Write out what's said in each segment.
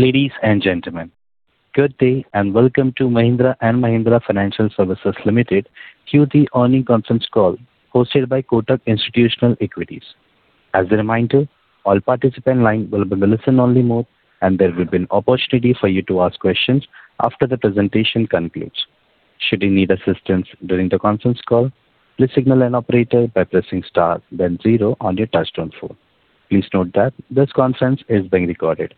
Ladies and gentlemen, good day, and welcome to Mahindra & Mahindra Financial Services Limited Q3 Earnings Conference Call, hosted by Kotak Institutional Equities. As a reminder, all participants in line will be in a listen-only mode, and there will be an opportunity for you to ask questions after the presentation concludes. Should you need assistance during the conference call, please signal an operator by pressing star then zero on your touchtone phone. Please note that this conference is being recorded.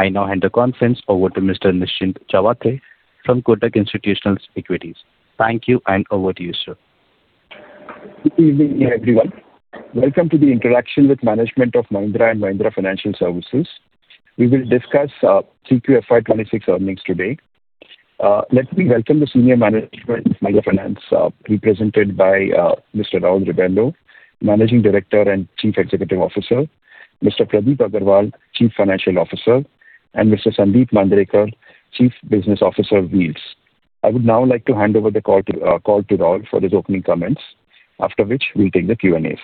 I now hand the conference over to Mr. Nischint Chawathe from Kotak Institutional Equities. Thank you, and over to you, sir. Good evening, everyone. Welcome to the interaction with management of Mahindra & Mahindra Financial Services. We will discuss Q3 FY 2026 earnings today. Let me welcome the Senior Management of Mahindra Finance, represented by Mr. Raul Rebello, Managing Director and Chief Executive Officer, Mr. Pradeep Agrawal, Chief Financial Officer, and Mr. Sandeep Mandrekar, Chief Business Officer of wheels. I would now like to hand over the call to Raul for his opening comments, after which we'll take the Q&As.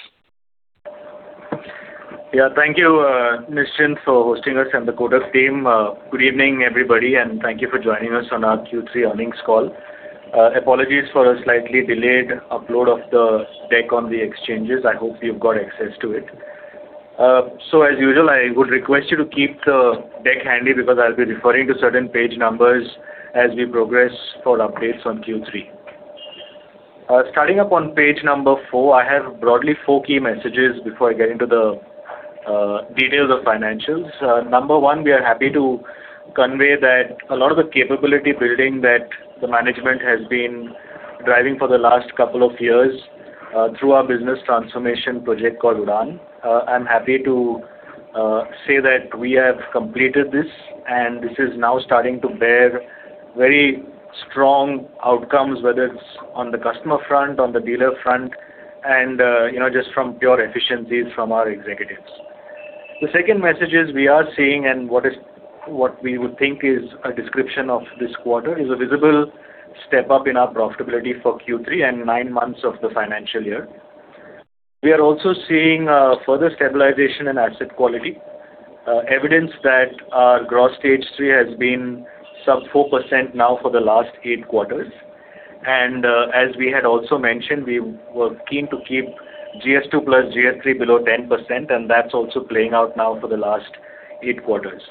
Yeah. Thank you, Nischint, for hosting us and the Kotak team. Good evening, everybody, and thank you for joining us on our Q3 earnings call. Apologies for a slightly delayed upload of the deck on the exchanges. I hope you've got access to it. As usual, I would request you to keep the deck handy, because I'll be referring to certain page numbers as we progress for updates on Q3. Starting up on Page 4, I have broadly four key messages before I get into the details of financials. Number one, we are happy to convey that a lot of the capability building that the management has been driving for the last couple of years through our business transformation project called Udaan. I'm happy to say that we have completed this, and this is now starting to bear very strong outcomes, whether it's on the customer front, on the dealer front and, you know, just from pure efficiencies from our executives. The second message is, we are seeing and what is, what we would think is a description of this quarter, is a visible step up in our profitability for Q3 and nine months of the financial year. We are also seeing, further stabilization in asset quality. Evidence that our Gross Stage 3 has been sub-4% now for the last eight quarters. As we had also mentioned, we were keen to keep GS2 + GS3 below 10%, and that's also playing out now for the last eight quarters.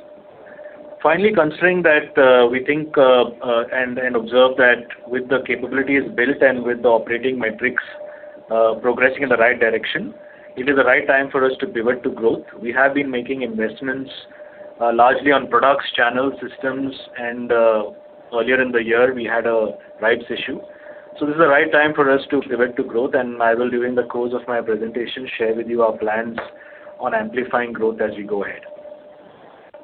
Finally, considering that, we think and observe that with the capabilities built and with the operating metrics progressing in the right direction, it is the right time for us to pivot to growth. We have been making investments, largely on products, channels, systems, and earlier in the year, we had a rights issue. So this is the right time for us to pivot to growth, and I will, during the course of my presentation, share with you our plans on amplifying growth as we go ahead.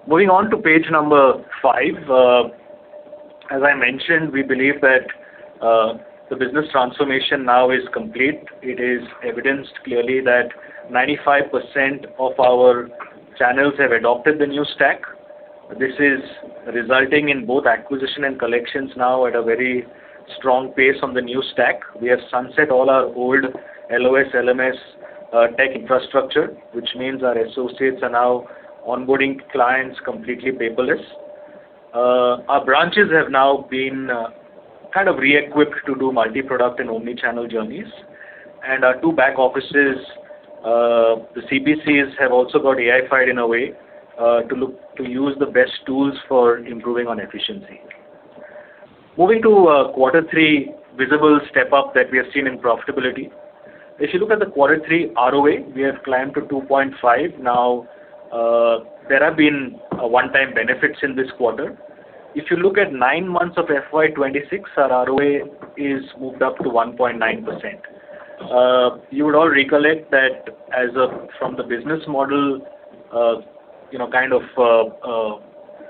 Moving on to Page 5. As I mentioned, we believe that the business transformation now is complete. It is evidenced clearly that 95% of our channels have adopted the new stack. This is resulting in both acquisition and collections now at a very strong pace on the new stack. We have sunset all our old LOS, LMS, tech infrastructure, which means our associates are now onboarding clients completely paperless. Our branches have now been kind of re-equipped to do multi-product and omni-channel journeys. Our two back offices, the CBCs, have also got AI-fied in a way, to look to use the best tools for improving on efficiency. Moving to quarter three, visible step up that we have seen in profitability. If you look at the quarter three ROA, we have climbed to 2.5. Now, there have been a one-time benefits in this quarter. If you look at nine months of FY 2026, our ROA is moved up to 1.9%. You would all recollect that as of, from the business model, you know, kind of,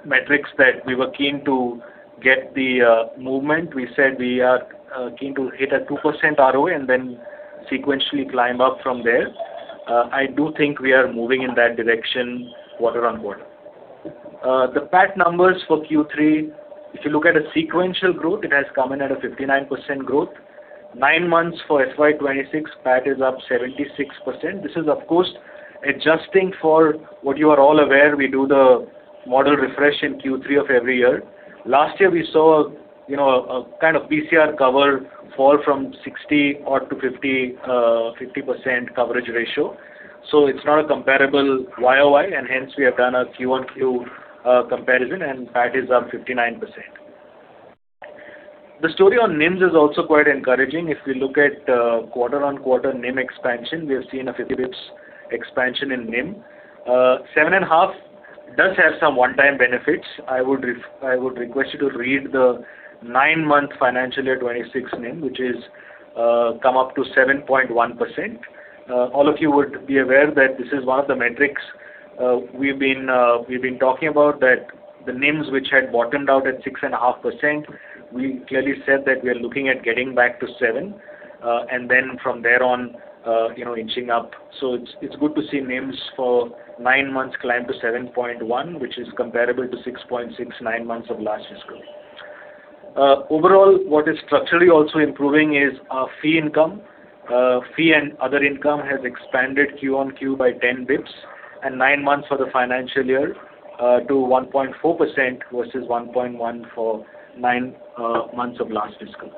metrics that we were keen to get the, movement. We said we are keen to hit a 2% ROA and then sequentially climb up from there. I do think we are moving in that direction, quarter-on-quarter. The PAT numbers for Q3, if you look at a sequential growth, it has come in at a 59% growth. Nine months for FY 2026, PAT is up 76%. This is, of course, adjusting for what you are all aware, we do the model refresh in Q3 of every year. Last year we saw a, you know, a kind of PCR cover fall from 60-odd to 50, 50% coverage ratio. So it's not a comparable YOY, and hence we have done a Q-on-Q comparison, and PAT is up 59%. The story on NIMs is also quite encouraging. If we look at quarter-on-quarter NIM expansion, we have seen a 50 basis points expansion in NIM. 7.5 does have some one-time benefits. I would request you to read the 9-month financial year 2026 NIM, which is come up to 7.1%. All of you would be aware that this is one of the metrics we've been talking about, that the NIMs, which had bottomed out at 6.5%, we clearly said that we are looking at getting back to seven, and then from there on, you know, inching up. So it's, it's good to see NIMs for nine months climb to 7.1%, which is comparable to 6.6%, nine months of last fiscal year. Overall, what is structurally also improving is our fee income. Fee and other income has expanded quarter-on-quarter by 10 basis points, and nine months for the financial year to 1.4% versus 1.1% for nine months of last fiscal.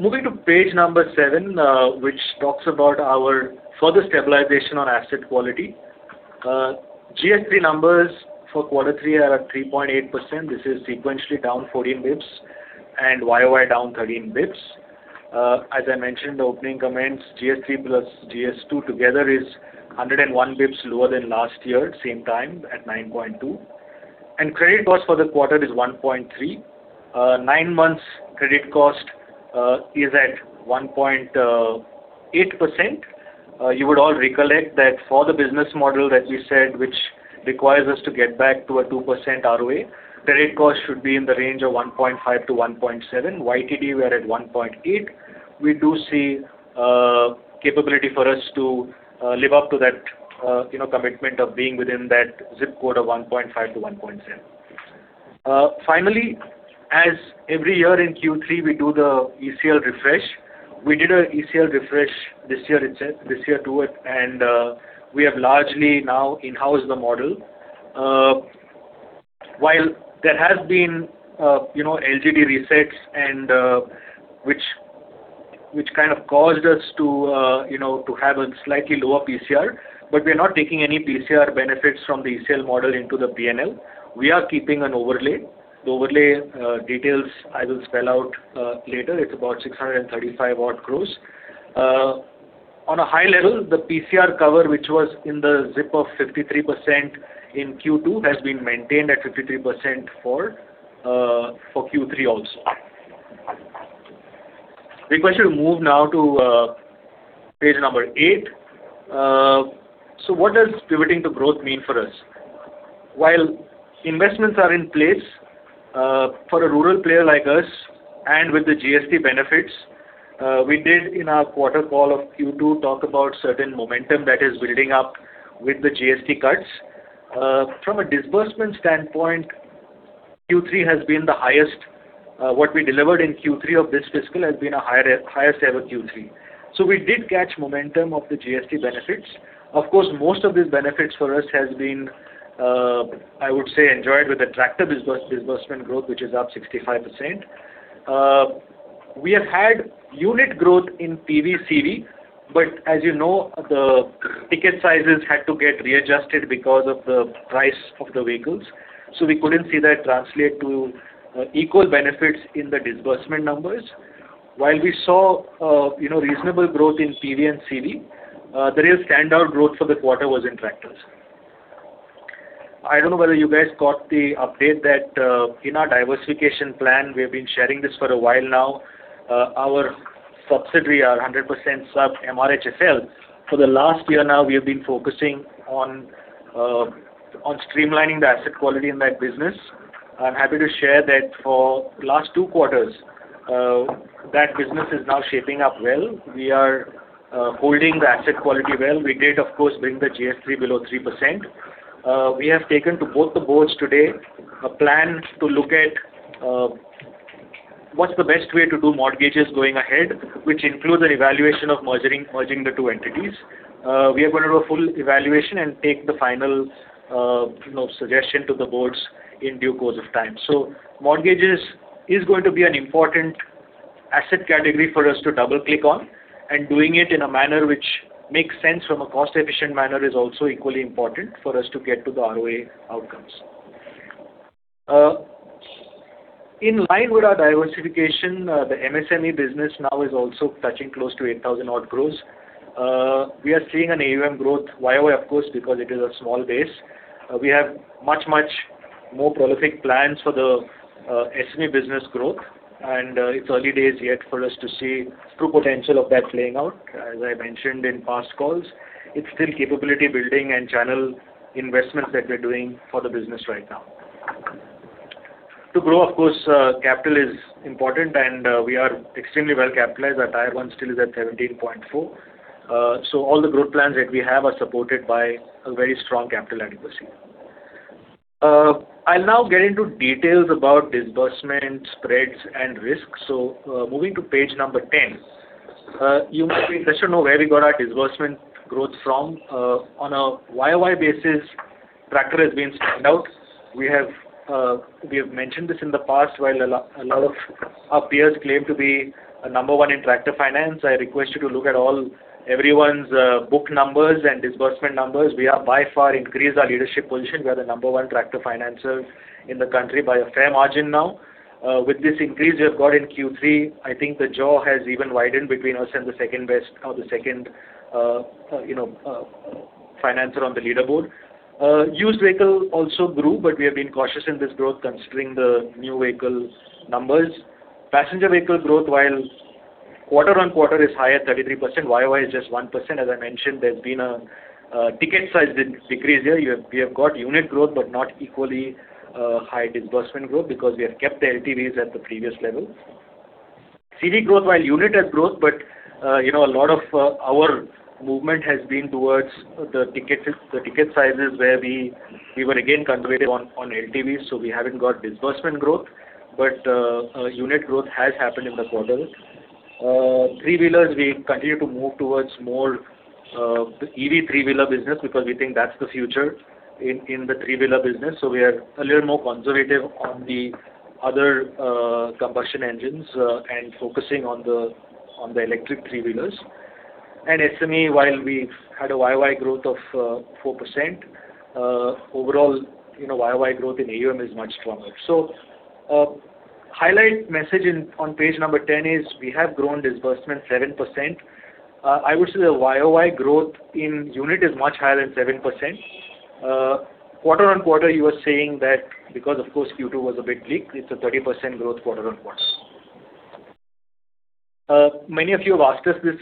Moving to page number 7, which talks about our further stabilization on asset quality. GS3 numbers for quarter three are at 3.8%. This is sequentially down 14 basis points and year-over-year down 13 basis points. As I mentioned in the opening comments, GS3 plus GS2 together is 101 basis points lower than last year, same time at 9.2%. And credit cost for the quarter is 1.3%. Nine months credit cost is at 1.8%. You would all recollect that for the business model that we said, which requires us to get back to a 2% ROA, credit cost should be in the range of 1.5%-1.7%. YTD, we are at 1.8. We do see capability for us to live up to that, you know, commitment of being within that ZIP code of 1.5%-1.7%. Finally, as every year in Q3, we do the ECL refresh. We did an ECL refresh this year itself, this year too, and we have largely now in-housed the model. While there has been, you know, LGD resets and which kind of caused us to have a slightly lower PCR. But we are not taking any PCR benefits from the ECL model into the P&L. We are keeping an overlay. The overlay details I will spell out later. It's about 635 crore. On a high level, the PCR cover, which was in the zip of 53% in Q2, has been maintained at 53% for Q3 also. I request you to move now to page number 8. So what does pivoting to growth mean for us? While investments are in place for a rural player like us and with the GST benefits, we did in our quarter call of Q2 talk about certain momentum that is building up with the GST cuts. From a disbursement standpoint, Q3 has been the highest. What we delivered in Q3 of this fiscal has been a higher, higher sale of Q3. So we did catch momentum of the GST benefits. Of course, most of these benefits for us has been, I would say, enjoyed with the tractor disbursement growth, which is up 65%. We have had unit growth in PV, CV, but as you know, the ticket sizes had to get readjusted because of the price of the vehicles, so we couldn't see that translate to, equal benefits in the disbursement numbers. While we saw, you know, reasonable growth in PV and CV, the real standout growth for the quarter was in tractors. I don't know whether you guys got the update that, in our diversification plan, we have been sharing this for a while now. Our subsidiary, our 100% sub, MRHFL, for the last year now, we have been focusing on, on streamlining the asset quality in that business. I'm happy to share that for last two quarters, that business is now shaping up well. We are, holding the asset quality well. We did, of course, bring the GS3 below 3%. We have taken to both the boards today, a plan to look at, what's the best way to do mortgages going ahead, which includes an evaluation of merging, merging the two entities. We are going to do a full evaluation and take the final, you know, suggestion to the boards in due course of time. So mortgages is going to be an important asset category for us to double-click on, and doing it in a manner which makes sense from a cost-efficient manner is also equally important for us to get to the ROA outcomes. In line with our diversification, the MSME business now is also touching close to 8,000-odd crores. We are seeing an AUM growth year-over-year, of course, because it is a small base. We have much, much more prolific plans for the SME business growth, and it's early days yet for us to see true potential of that playing out. As I mentioned in past calls, it's still capability building and channel investments that we're doing for the business right now. To grow, of course, capital is important, and we are extremely well capitalized. Our Tier 1 still is at 17.4. So all the growth plans that we have are supported by a very strong capital adequacy. I'll now get into details about disbursement, spreads and risks. So, moving to page 10. You might be interested to know where we got our disbursement growth from. On a YOY basis, tractor has been stand out. We have, we have mentioned this in the past. While a lot of our peers claim to be a number one in tractor finance, I request you to look at all everyone's book numbers and disbursement numbers. We have, by far, increased our leadership position. We are the number one tractor financer in the country by a fair margin now. With this increase we have got in Q3, I think the gap has even widened between us and the second best or the second, you know, financer on the leaderboard. Used vehicle also grew, but we have been cautious in this growth considering the new vehicle numbers. Passenger vehicle growth, while quarter-on-quarter is higher, 33%, YOY is just 1%. As I mentioned, there's been a ticket size decrease here. We have got unit growth, but not equally high disbursement growth because we have kept the LTVs at the previous level. CV growth, while unit has growth, but you know, a lot of our movement has been towards the ticket sizes, where we were again conservative on LTV, so we haven't got disbursement growth. But unit growth has happened in the quarter. Three-wheelers, we continue to move towards more the EV three-wheeler business, because we think that's the future in the three-wheeler business. So we are a little more conservative on the other combustion engines and focusing on the electric three-wheelers. And SME, while we had a YOY growth of 4%, overall, you know, YOY growth in AUM is much stronger. So highlight message on page number 10 is, we have grown disbursement 7%. I would say the YOY growth in unit is much higher than 7%. Quarter-on-quarter, you were saying that because, of course, Q2 was a big week, it's a 30% growth quarter-on-quarter. Many of you have asked us this,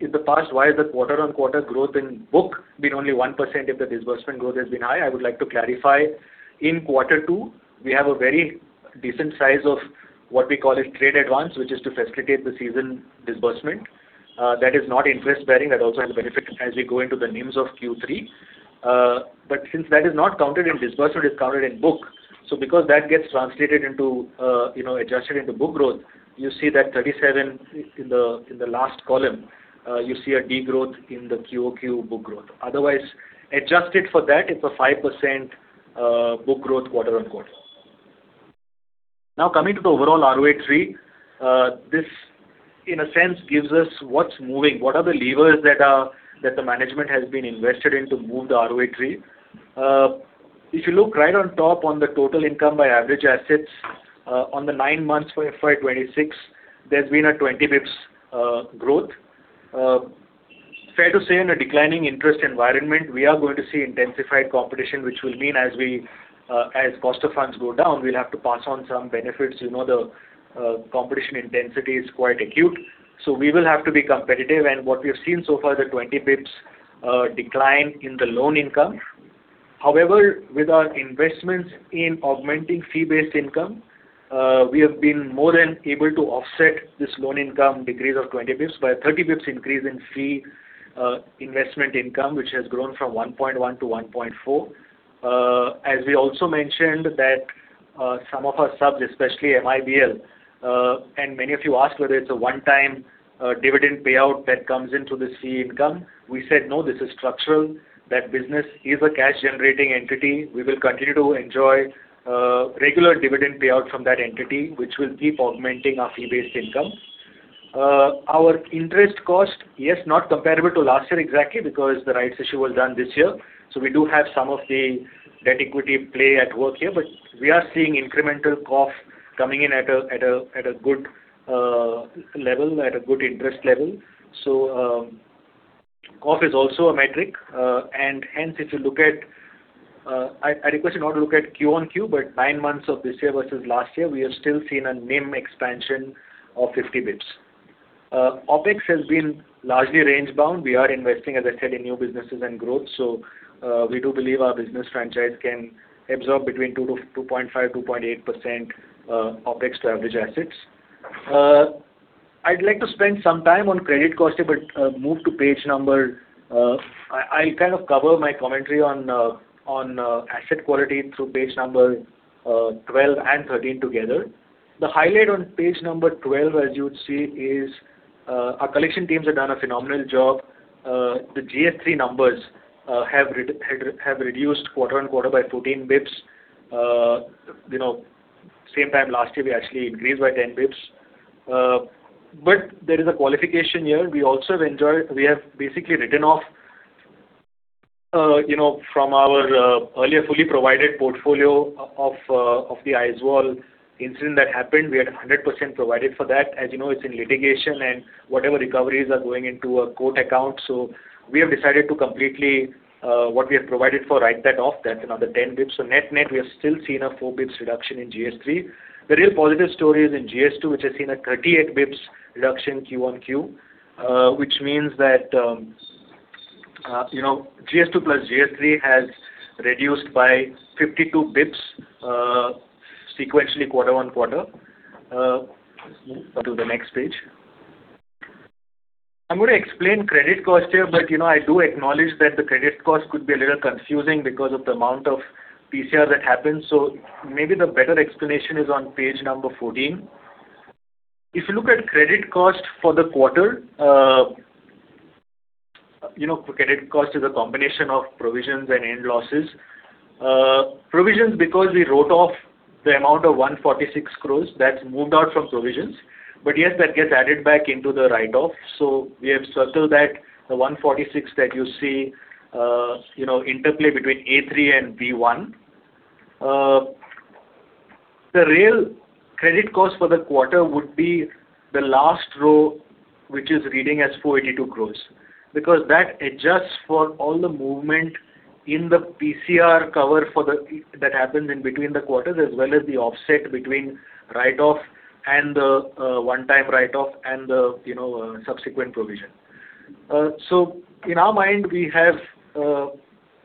in the past, why is the quarter-on-quarter growth in book been only 1% if the disbursement growth has been high? I would like to clarify. In quarter two, we have a very decent size of what we call a trade advance, which is to facilitate the season disbursement. That is not interest-bearing, that also has a benefit as we go into the NIMs of Q3. But since that is not counted in disbursement, it's counted in book. So because that gets translated into, you know, adjusted into book growth, you see that 37 in the last column, you see a degrowth in the QOQ book growth. Otherwise, adjusted for that, it's a 5% book growth quarter-on-quarter. Now, coming to the overall ROA tree, this, in a sense, gives us what's moving, what are the levers that the management has been invested in to move the ROA tree. If you look right on top on the total income by average assets, on the nine months for FY 2026, there's been a 20 basis points growth. Fair to say, in a declining interest environment, we are going to see intensified competition, which will mean as we, as cost of funds go down, we'll have to pass on some benefits. You know, the competition intensity is quite acute, so we will have to be competitive. And what we have seen so far is a 20 basis points decline in the loan income. However, with our investments in augmenting fee-based income, we have been more than able to offset this loan income decrease of 20 basis points by a 30 basis points increase in fee, investment income, which has grown from 1.1 to 1.4. As we also mentioned that, some of our subs, especially MIBL, and many of you asked whether it's a one-time, dividend payout that comes into this fee income. We said, "No, this is structural." That business is a cash-generating entity. We will continue to enjoy, regular dividend payout from that entity, which will keep augmenting our fee-based income. Our interest cost, yes, not comparable to last year exactly, because the rights issue was done this year. So we do have some of the debt equity play at work here, but we are seeing incremental COF coming in at a good level, at a good interest level. So, COF is also a metric, and hence, if you look at... I request you not to look at Q-on-Q, but nine months of this year versus last year, we have still seen a NIM expansion of 50 basis points. OpEx has been largely range-bound. We are investing, as I said, in new businesses and growth, so, we do believe our business franchise can absorb between 2 to 2.5, 2.8% OpEx to average assets. I'd like to spend some time on credit cost here, but, move to page number... I kind of cover my commentary on asset quality through Page 12 and 13 together. The highlight on page number 12, as you would see, is our collection teams have done a phenomenal job. The GS3 numbers have reduced quarter-on-quarter by 14 basis points. You know, same time last year, we actually increased by 10 basis points. But there is a qualification here. We also have enjoyed. We have basically written off, you know, from our earlier fully provided portfolio of the Aizawl incident that happened. We had 100% provided for that. As you know, it's in litigation and whatever recoveries are going into a court account. So we have decided to completely what we have provided for, write that off. That's another 10 basis points. So net-net, we have still seen a 4 bps reduction in GS3. The real positive story is in GS2, which has seen a 38 bps reduction Q-on-Q. Which means that, you know, GS2 plus GS3 has reduced by 52 bps, sequentially, quarter on quarter. Go to the next page. I'm going to explain credit cost here, but, you know, I do acknowledge that the credit cost could be a little confusing because of the amount of PCR that happens. So maybe the better explanation is on Page 14. If you look at credit cost for the quarter, you know, credit cost is a combination of provisions and end losses. Provisions, because we wrote off the amount of 146 crore, that's moved out from provisions, but yes, that gets added back into the write-off. We have circled that, the 146 that you see, you know, interplay between A3 and B1. The real credit cost for the quarter would be the last row, which is reading as 482 crores. Because that adjusts for all the movement in the PCR cover for the that happened in between the quarters, as well as the offset between write-off and the, one-time write-off and the, you know, subsequent provision. So in our mind, we have,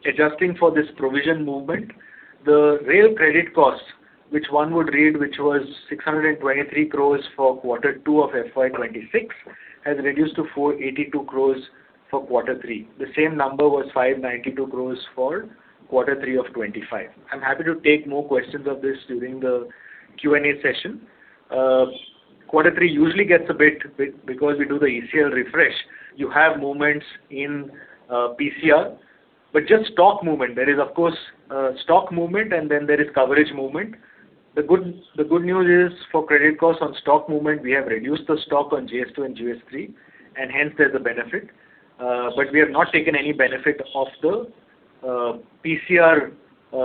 adjusting for this provision movement, the real credit cost, which one would read, which was 623 crores for quarter two of FY 2026, has reduced to 482 crores for quarter three. The same number was 592 crores for quarter three of 2025. I'm happy to take more questions of this during the Q&A session. Quarter three usually gets a bit because we do the ECL refresh. You have moments in PCR, but just stock movement. There is, of course, stock movement, and then there is coverage movement. The good news is for credit costs on stock movement, we have reduced the stock on GS2 and GS3, and hence there's a benefit. But we have not taken any benefit of the PCR,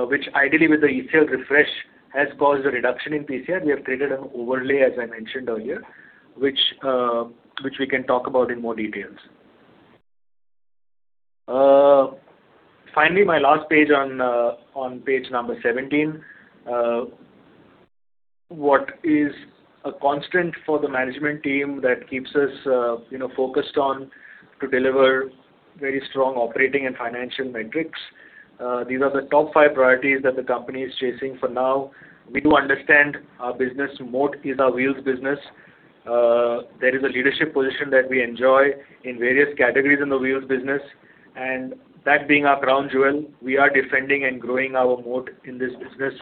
which ideally with the ECL refresh, has caused a reduction in PCR. We have created an overlay, as I mentioned earlier, which we can talk about in more details. Finally, my last page on page number 17. What is a constant for the management team that keeps us, you know, focused on to deliver very strong operating and financial metrics? These are the top five priorities that the company is chasing for now. We do understand our business moat is our Wheels business. There is a leadership position that we enjoy in various categories in the Wheels business, and that being our crown jewel, we are defending and growing our moat in this business.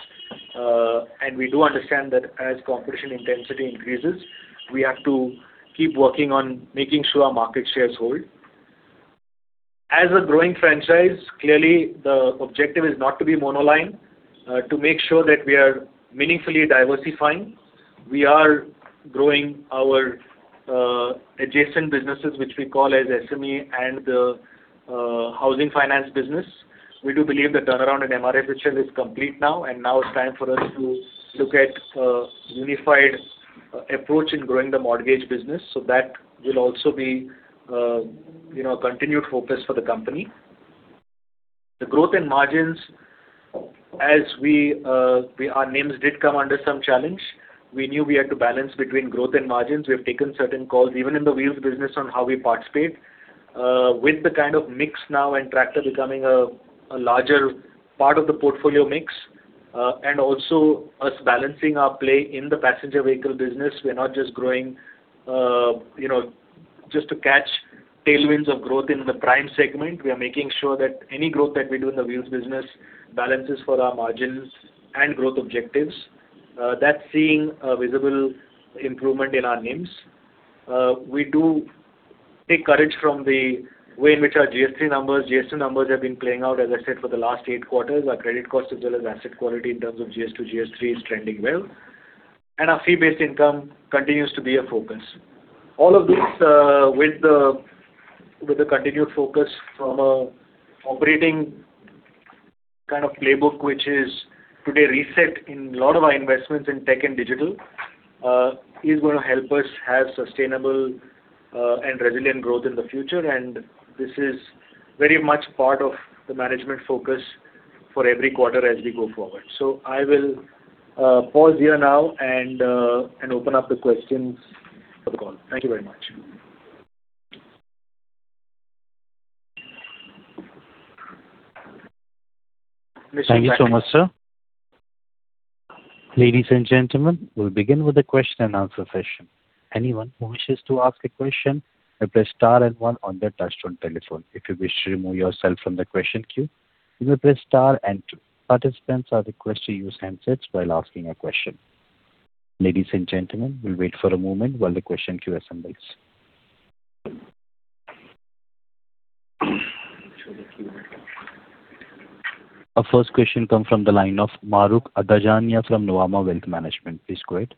And we do understand that as competition intensity increases, we have to keep working on making sure our market shares hold. As a growing franchise, clearly, the objective is not to be monoline, to make sure that we are meaningfully diversifying. We are growing our adjacent businesses, which we call as SME and the housing finance business. We do believe the turnaround in MRHFL is complete now, and now it's time for us to look at unified approach in growing the mortgage business. That will also be, you know, a continued focus for the company. The growth in margins as we, our NIMs did come under some challenge. We knew we had to balance between growth and margins. We have taken certain calls, even in the Wheels business, on how we participate. With the kind of mix now and tractor becoming a larger part of the portfolio mix, and also us balancing our play in the passenger vehicle business, we are not just growing, you know, just to catch tailwinds of growth in the prime segment. We are making sure that any growth that we do in the Wheels business balances for our margins and growth objectives. That's seeing a visible improvement in our NIMs. We do take courage from the way in which our GS3 numbers, GS2 numbers have been playing out, as I said, for the last eight quarters. Our credit cost as well as asset quality in terms of GS2, GS3 is trending well, and our fee-based income continues to be a focus. All of this, with the continued focus from a operating kind of playbook, which is today reset in a lot of our investments in tech and digital, is going to help us have sustainable, and resilient growth in the future. And this is very much part of the management focus for every quarter as we go forward. So I will pause here now and open up the questions for the call. Thank you very much. Thank you so much, sir. Ladies and gentlemen, we'll begin with the question and answer session. Anyone who wishes to ask a question, may press star and one on their touchtone telephone. If you wish to remove yourself from the question queue, you may press star and two. Participants are requested to use handsets while asking a question. Ladies and gentlemen, we'll wait for a moment while the question queue assembles. Our first question come from the line of Mahrukh Adajania from Nuvama Wealth Management. Please go ahead.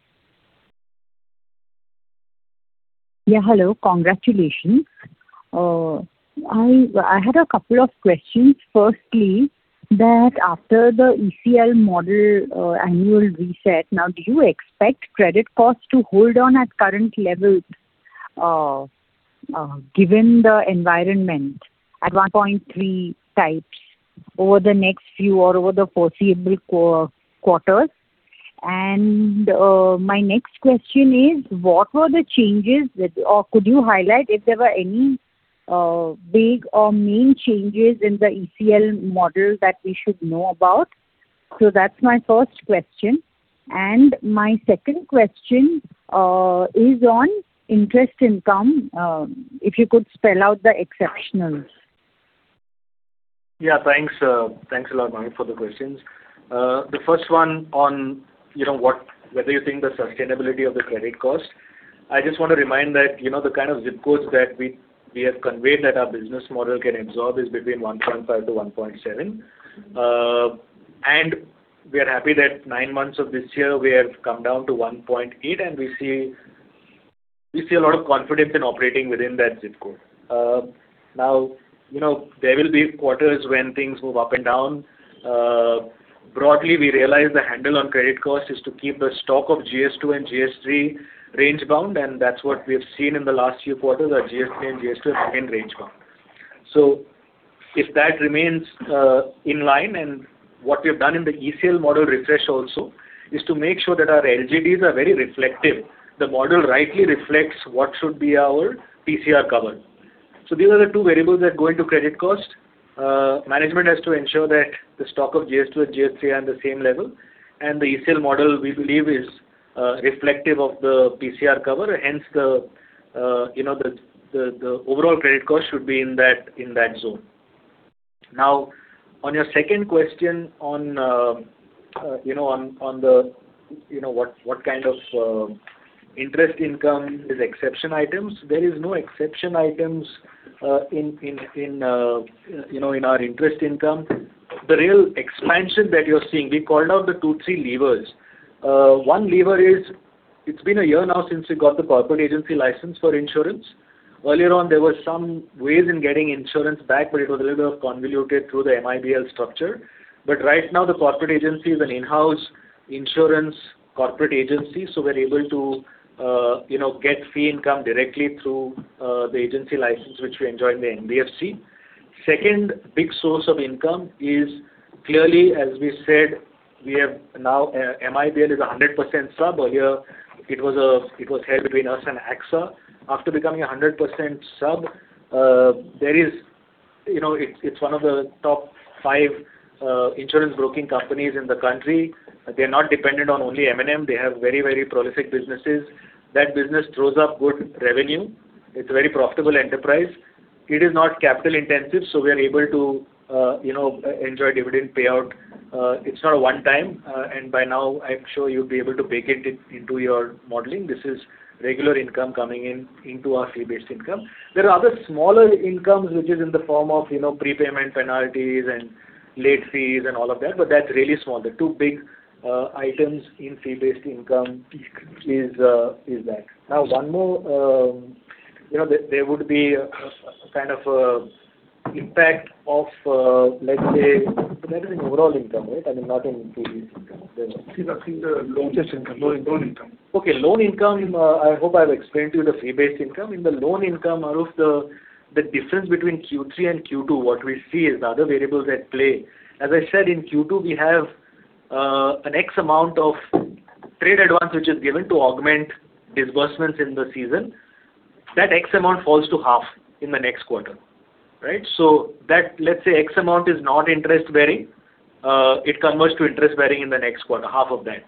Yeah, hello. Congratulations. I had a couple of questions. Firstly, after the ECL model annual reset, now do you expect credit costs to hold on at current levels, given the environment at 1.3% over the next few or over the foreseeable quarters? And my next question is, what were the changes or could you highlight if there were any big or main changes in the ECL model that we should know about? So that's my first question. And my second question is on interest income, if you could spell out the exceptionals. Yeah, thanks, thanks a lot, Mahrukh, for the questions. The first one on, you know, what—whether you think the sustainability of the credit cost. I just want to remind that, you know, the kind of zip codes that we, we have conveyed that our business model can absorb is between 1.5%-1.7%. And we are happy that nine months of this year, we have come down to 1.8%, and we see, we see a lot of confidence in operating within that zip code. Now, you know, there will be quarters when things move up and down. Broadly, we realize the handle on credit cost is to keep the stock of GS2 and GS3 range-bound, and that's what we have seen in the last few quarters, our GS3 and GS2 have been range-bound. So if that remains in line and what we've done in the ECL model refresh also is to make sure that our LGDs are very reflective. The model rightly reflects what should be our PCR cover. So these are the two variables that go into credit cost. Management has to ensure that the stock of GS2 and GS3 are on the same level, and the ECL model, we believe, is reflective of the PCR cover. Hence, you know, the overall credit cost should be in that zone. Now, on your second question on, you know, on, on the, you know, what kind of interest income is exception items? There is no exception items, you know, in our interest income. The real expansion that you're seeing, we called out the two, three levers. One lever is it's been a year now since we got the corporate agency license for insurance. Earlier on, there were some ways in getting insurance back, but it was a little bit of convoluted through the MIBL structure. But right now, the corporate agency is an in-house insurance corporate agency, so we're able to, you know, get fee income directly through the agency license, which we enjoy in the NBFC. Second big source of income is clearly, as we said, we have now, MIBL is a 100% sub. Earlier, it was a-- it was held between us and AXA. After becoming a 100% sub, there is, you know, it's, it's one of the top 5, insurance broking companies in the country. They're not dependent on only M&M. They have very, very prolific businesses. That business throws up good revenue. It's a very profitable enterprise. It is not capital intensive, so we are able to, you know, enjoy dividend payout. It's not a one time, and by now, I'm sure you'll be able to bake it in, into your modeling. This is regular income coming in, into our fee-based income. There are other smaller incomes, which is in the form of, you know, prepayment, penalties, and late fees and all of that, but that's really small. The two big items in fee-based income is that. Now, one more, you know, there would be a kind of impact of, let's say, that is in overall income, right? I mean, not in fee-based income. I think the loan interest income. Loan income. Okay, loan income, I hope I've explained to you the fee-based income. In the loan income, arrow, the difference between Q3 and Q2, what we see is the other variables at play. As I said, in Q2, we have an X amount of trade advance, which is given to augment disbursements in the season. That X amount falls to half in the next quarter, right? So that, let's say, X amount is not interest bearing, it converts to interest bearing in the next quarter, half of that.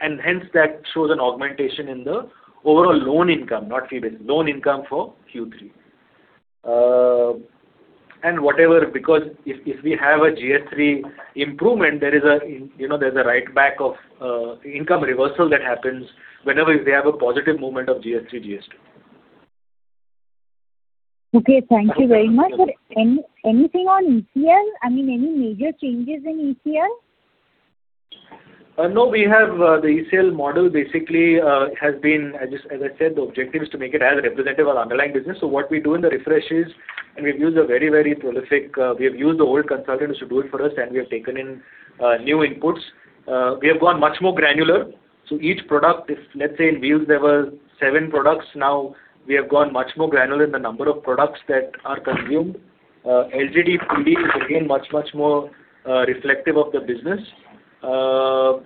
And hence, that shows an augmentation in the overall loan income, not fee-based. Loan income for Q3. And whatever, because if we have a GS3 improvement, there is a, you know, there's a write back of income reversal that happens whenever they have a positive movement of GS3, GS2. Okay, thank you very much. But anything on ECL? I mean, any major changes in ECL? No, we have the ECL model basically has been... As I said, the objective is to make it as representative of the underlying business. So what we do in the refresh is, we have used the old consultant to do it for us, and we have taken in new inputs. We have gone much more granular, so each product is, let's say, in Wheels, there were seven products. Now, we have gone much more granular in the number of products that are consumed. LGD PD is again much, much more reflective of the business. Yeah,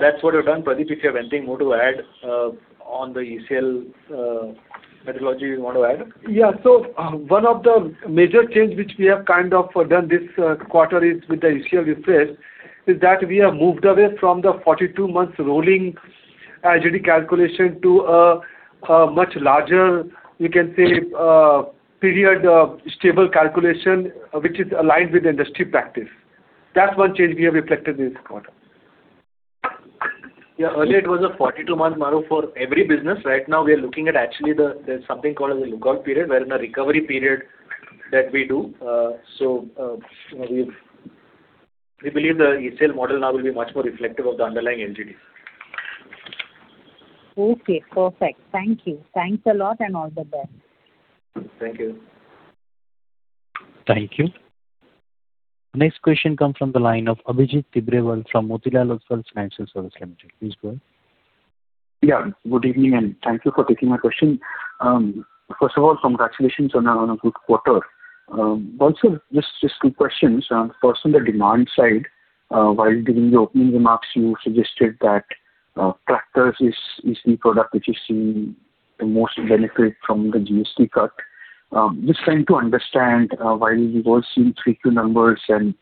that's what we've done. Pradeep, if you have anything more to add on the ECL methodology you want to add? Yeah. So, one of the major change which we have kind of done this quarter is, with the ECL refresh, that we have moved away from the 42 months rolling LGD calculation to a much larger, we can say, period, stable calculation, which is aligned with industry practice. That's one change we have reflected this quarter. Yeah, earlier it was a 42-month model for every business. Right now, we are looking at actually the... There's something called as a lookout period, wherein a recovery period that we do. So, we believe the ECL model now will be much more reflective of the underlying LGDs. Okay, perfect. Thank you. Thanks a lot, and all the best. Thank you. Thank you. Next question comes from the line of Abhijit Tibrewal from Motilal Oswal Financial Services Limited. Please go ahead. Yeah, good evening, and thank you for taking my question. First of all, congratulations on a good quarter. Also, just two questions. First, on the demand side, while giving the opening remarks, you suggested that tractors is the product which is seeing the most benefit from the GST cut. Just trying to understand, while we were seeing 3Q numbers and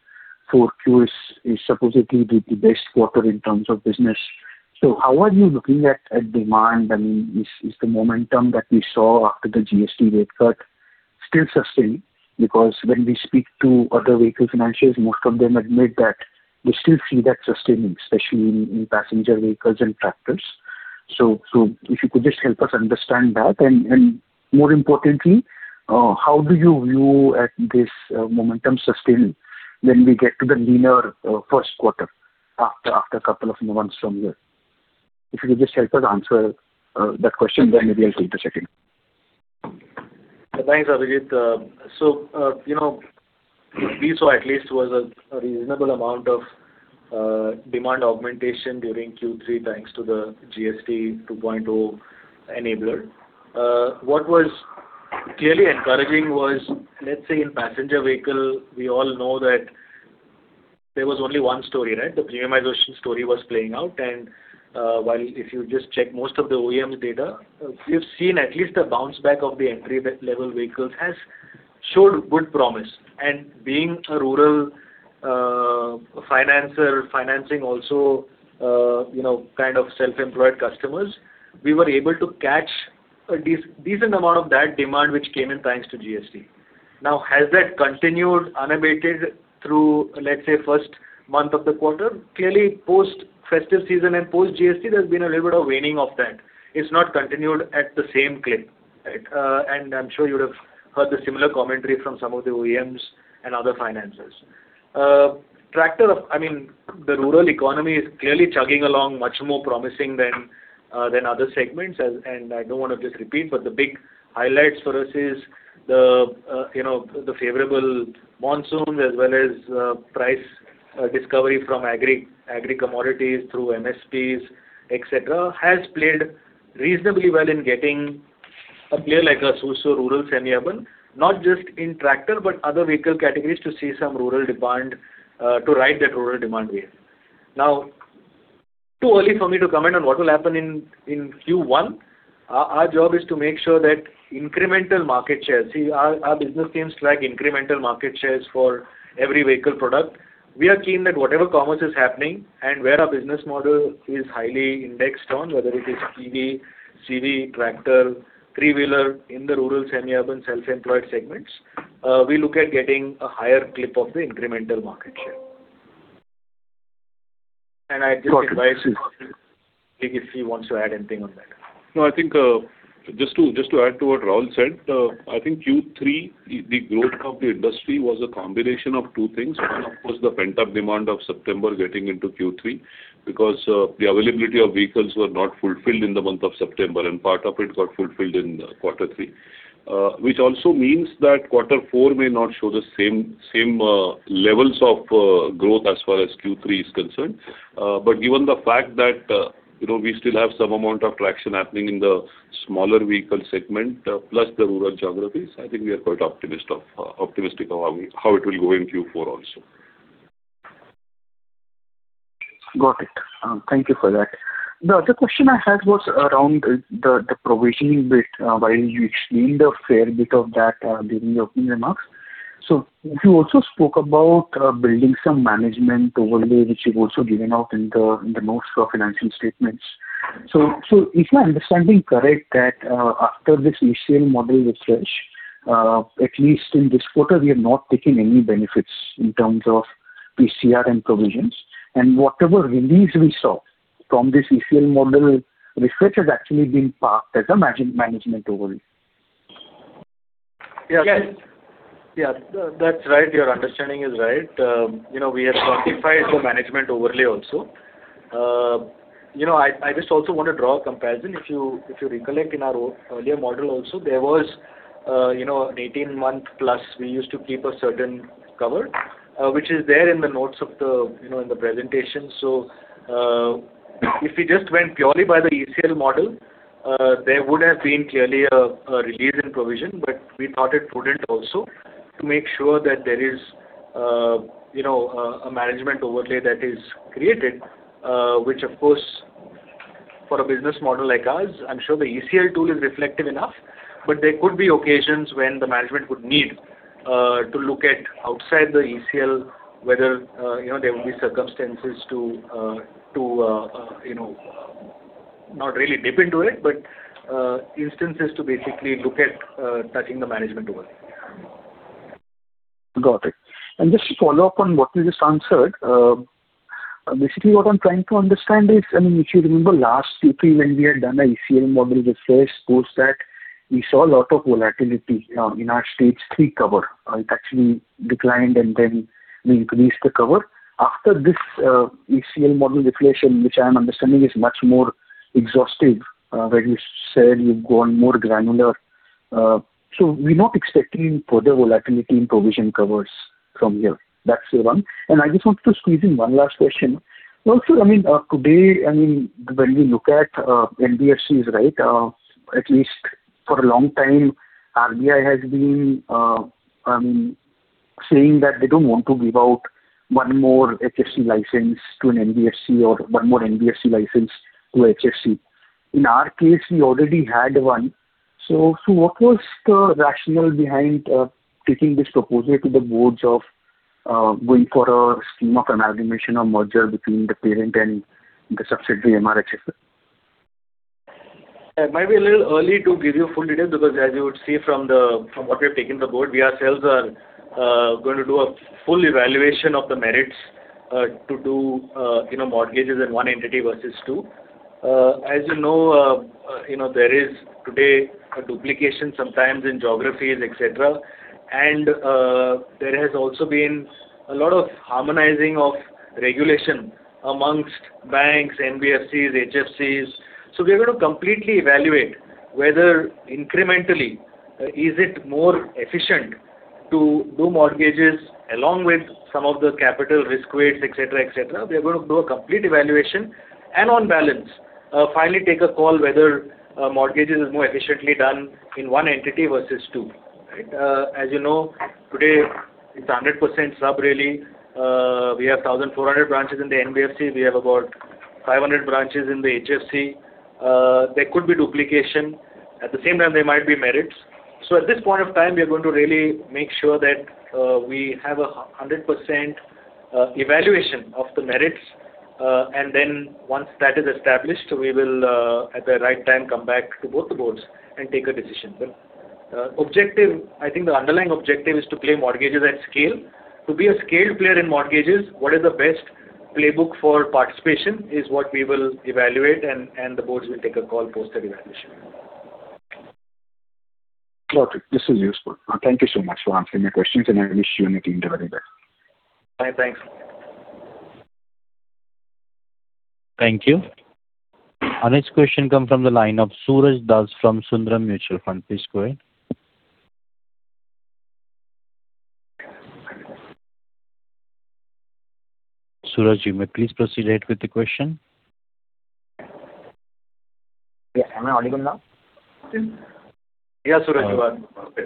4Q is supposedly the best quarter in terms of business. So how are you looking at demand, and is the momentum that we saw after the GST rate cut still sustained? Because when we speak to other vehicle financials, most of them admit that they still see that sustaining, especially in passenger vehicles and tractors. So if you could just help us understand that, and more importantly, how do you view at this momentum sustaining when we get to the leaner first quarter after a couple of months from here? If you could just help us answer that question, then maybe I'll take the second. Thanks, Abhijit. So, you know, these were at least was a reasonable amount of demand augmentation during Q3, thanks to the GST 2.0 enabler. What was clearly encouraging was, let's say, in passenger vehicle, we all know that there was only one story, right? The premiumization story was playing out. And while if you just check most of the OEM data, we've seen at least a bounce back of the entry-level vehicles has showed good promise. And being a rural financer, financing also, you know, kind of self-employed customers, we were able to catch a decent amount of that demand, which came in thanks to GST. Now, has that continued unabated through, let's say, first month of the quarter? Clearly, post-festive season and post-GST, there's been a little bit of waning of that. It's not continued at the same clip, right? And I'm sure you would have heard the similar commentary from some of the OEMs and other financers. Tractor, I mean, the rural economy is clearly chugging along, much more promising than, than other segments. And, and I don't want to just repeat, but the big highlights for us is the, you know, the favorable monsoon, as well as, price, discovery from agri, agri commodities through MSPs, et cetera, has played reasonably well in getting a player like us who serve rural, semi-urban, not just in tractor, but other vehicle categories, to see some rural demand, to ride that rural demand wave. Now, too early for me to comment on what will happen in, in Q1. Our, our job is to make sure that incremental market share... See, our business teams track incremental market shares for every vehicle product. We are keen that whatever commerce is happening and where our business model is highly indexed on, whether it is TV, CV, tractor, three-wheeler in the rural, semi-urban, self-employed segments, we look at getting a higher clip of the incremental market share. And I just invite if he wants to add anything on that. No, I think, just to, just to add to what Raul said, I think Q3, the growth of the industry was a combination of two things. One, of course, the pent-up demand of September getting into Q3, because the availability of vehicles were not fulfilled in the month of September, and part of it got fulfilled in quarter three. Which also means that quarter four may not show the same, same levels of growth as far as Q3 is concerned. But given the fact that, you know, we still have some amount of traction happening in the smaller vehicle segment, plus the rural geographies, I think we are quite optimistic of how we, how it will go in Q4 also. Got it. Thank you for that. The other question I had was around the provisioning bit, while you explained a fair bit of that, during your opening remarks. So you also spoke about building some management overlay, which you've also given out in the notes for financial statements. So is my understanding correct, that after this ECL model refresh, at least in this quarter, we have not taken any benefits in terms of PCR and provisions, and whatever release we saw from this ECL model refresh has actually been parked as a management overlay? Yes. Yeah, that's right. Your understanding is right. You know, we have quantified the management overlay also. You know, I just also want to draw a comparison. If you recollect, in our earlier model also, there was you know, an 18-month plus, we used to keep a certain cover, which is there in the notes of the, you know, in the presentation. So, if we just went purely by the ECL model, there would have been clearly a relief in provision, but we thought it prudent also to make sure that there is, you know, a management overlay that is created, which of course, for a business model like ours, I'm sure the ECL tool is reflective enough. But there could be occasions when the management would need to look at outside the ECL, whether you know there would be circumstances to to you know not really dip into it, but instances to basically look at touching the management overlay. Got it. And just to follow up on what you just answered, basically, what I'm trying to understand is, I mean, if you remember last Q3, when we had done the ECL model refresh post that, we saw a lot of volatility in our Stage 3 cover. It actually declined, and then we increased the cover. After this, ECL model deflation, which I am understanding, is much more exhaustive, where you said you've gone more granular. So we're not expecting further volatility in provision covers from here? That's one. And I just wanted to squeeze in one last question. Also, I mean, today, I mean, when we look at NBFCs, right, at least for a long time, RBI has been saying that they don't want to give out one more HFC license to an NBFC or one more NBFC license to HFC. In our case, we already had one. So, so what was the rationale behind taking this proposal to the boards of going for a scheme of amalgamation or merger between the parent and the subsidiary, MRHFL? It might be a little early to give you full details, because as you would see from what we have taken to board, we ourselves are going to do a full evaluation of the merits to do you know mortgages in one entity versus two. As you know, you know, there is today a duplication, sometimes in geographies, et cetera. There has also been a lot of harmonizing of regulation amongst banks, NBFCs, HFCs. So we are going to completely evaluate whether incrementally, is it more efficient to do mortgages along with some of the capital risk weights, etc, etc? We are going to do a complete evaluation and on balance, finally take a call whether mortgages is more efficiently done in one entity versus two, right? As you know, today it's a 100% sub, really. We have 1,400 branches in the NBFC. We have about 500 branches in the HFC. There could be duplication. At the same time, there might be merits. So at this point of time, we are going to really make sure that we have a 100% evaluation of the merits. And then once that is established, we will at the right time, come back to both the boards and take a decision. But, objective. I think the underlying objective is to play mortgages at scale. To be a scaled player in mortgages, what is the best playbook for participation, is what we will evaluate, and, and the boards will take a call post that evaluation. Got it. This is useful. Thank you so much for answering my questions, and I wish you and your team the very best. Bye. Thanks. Thank you. Our next question come from the line of Suraj Das from Sundaram Mutual Fund. Please go ahead. Suraj, you may please proceed with the question. Yeah. Am I audible now? Yes, Suraj, you are. Okay.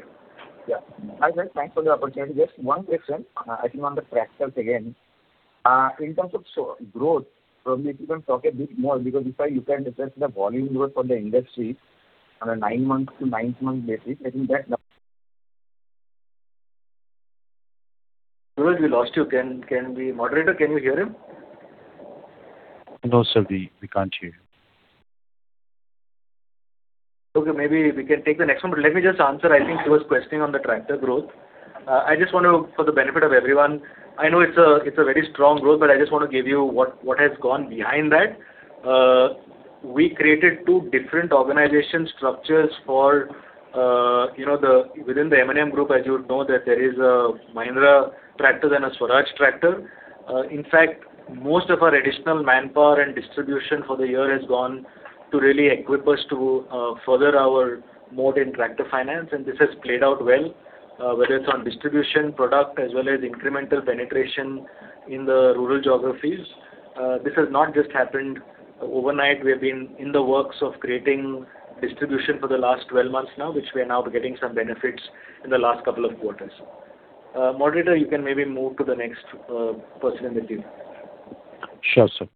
Yeah. Hi, guys. Thanks for the opportunity. Just one question, I think on the tractors again. In terms of growth, probably if you can talk a bit more, because if you can discuss the volume growth for the industry on a nine-month to ninth-month basis, I think that the- Suraj, we lost you. Can we... Moderator, can you hear him? No, sir, we can't hear him. Okay, maybe we can take the next one, but let me just answer. I think he was questioning on the tractor growth. I just want to, for the benefit of everyone, I know it's a, it's a very strong growth, but I just want to give you what, what has gone behind that. We created two different organization structures for, you know, the-- within the M&M Group, as you would know, that there is a Mahindra tractor and a Swaraj tractor. In fact, most of our additional manpower and distribution for the year has gone to really equip us to, further our mode in tractor finance, and this has played out well, whether it's on distribution, product, as well as incremental penetration in the rural geographies. This has not just happened overnight. We have been in the works of creating distribution for the last 12 months now, which we are now getting some benefits in the last couple of quarters. Moderator, you can maybe move to the next person in the queue. Sure, sir.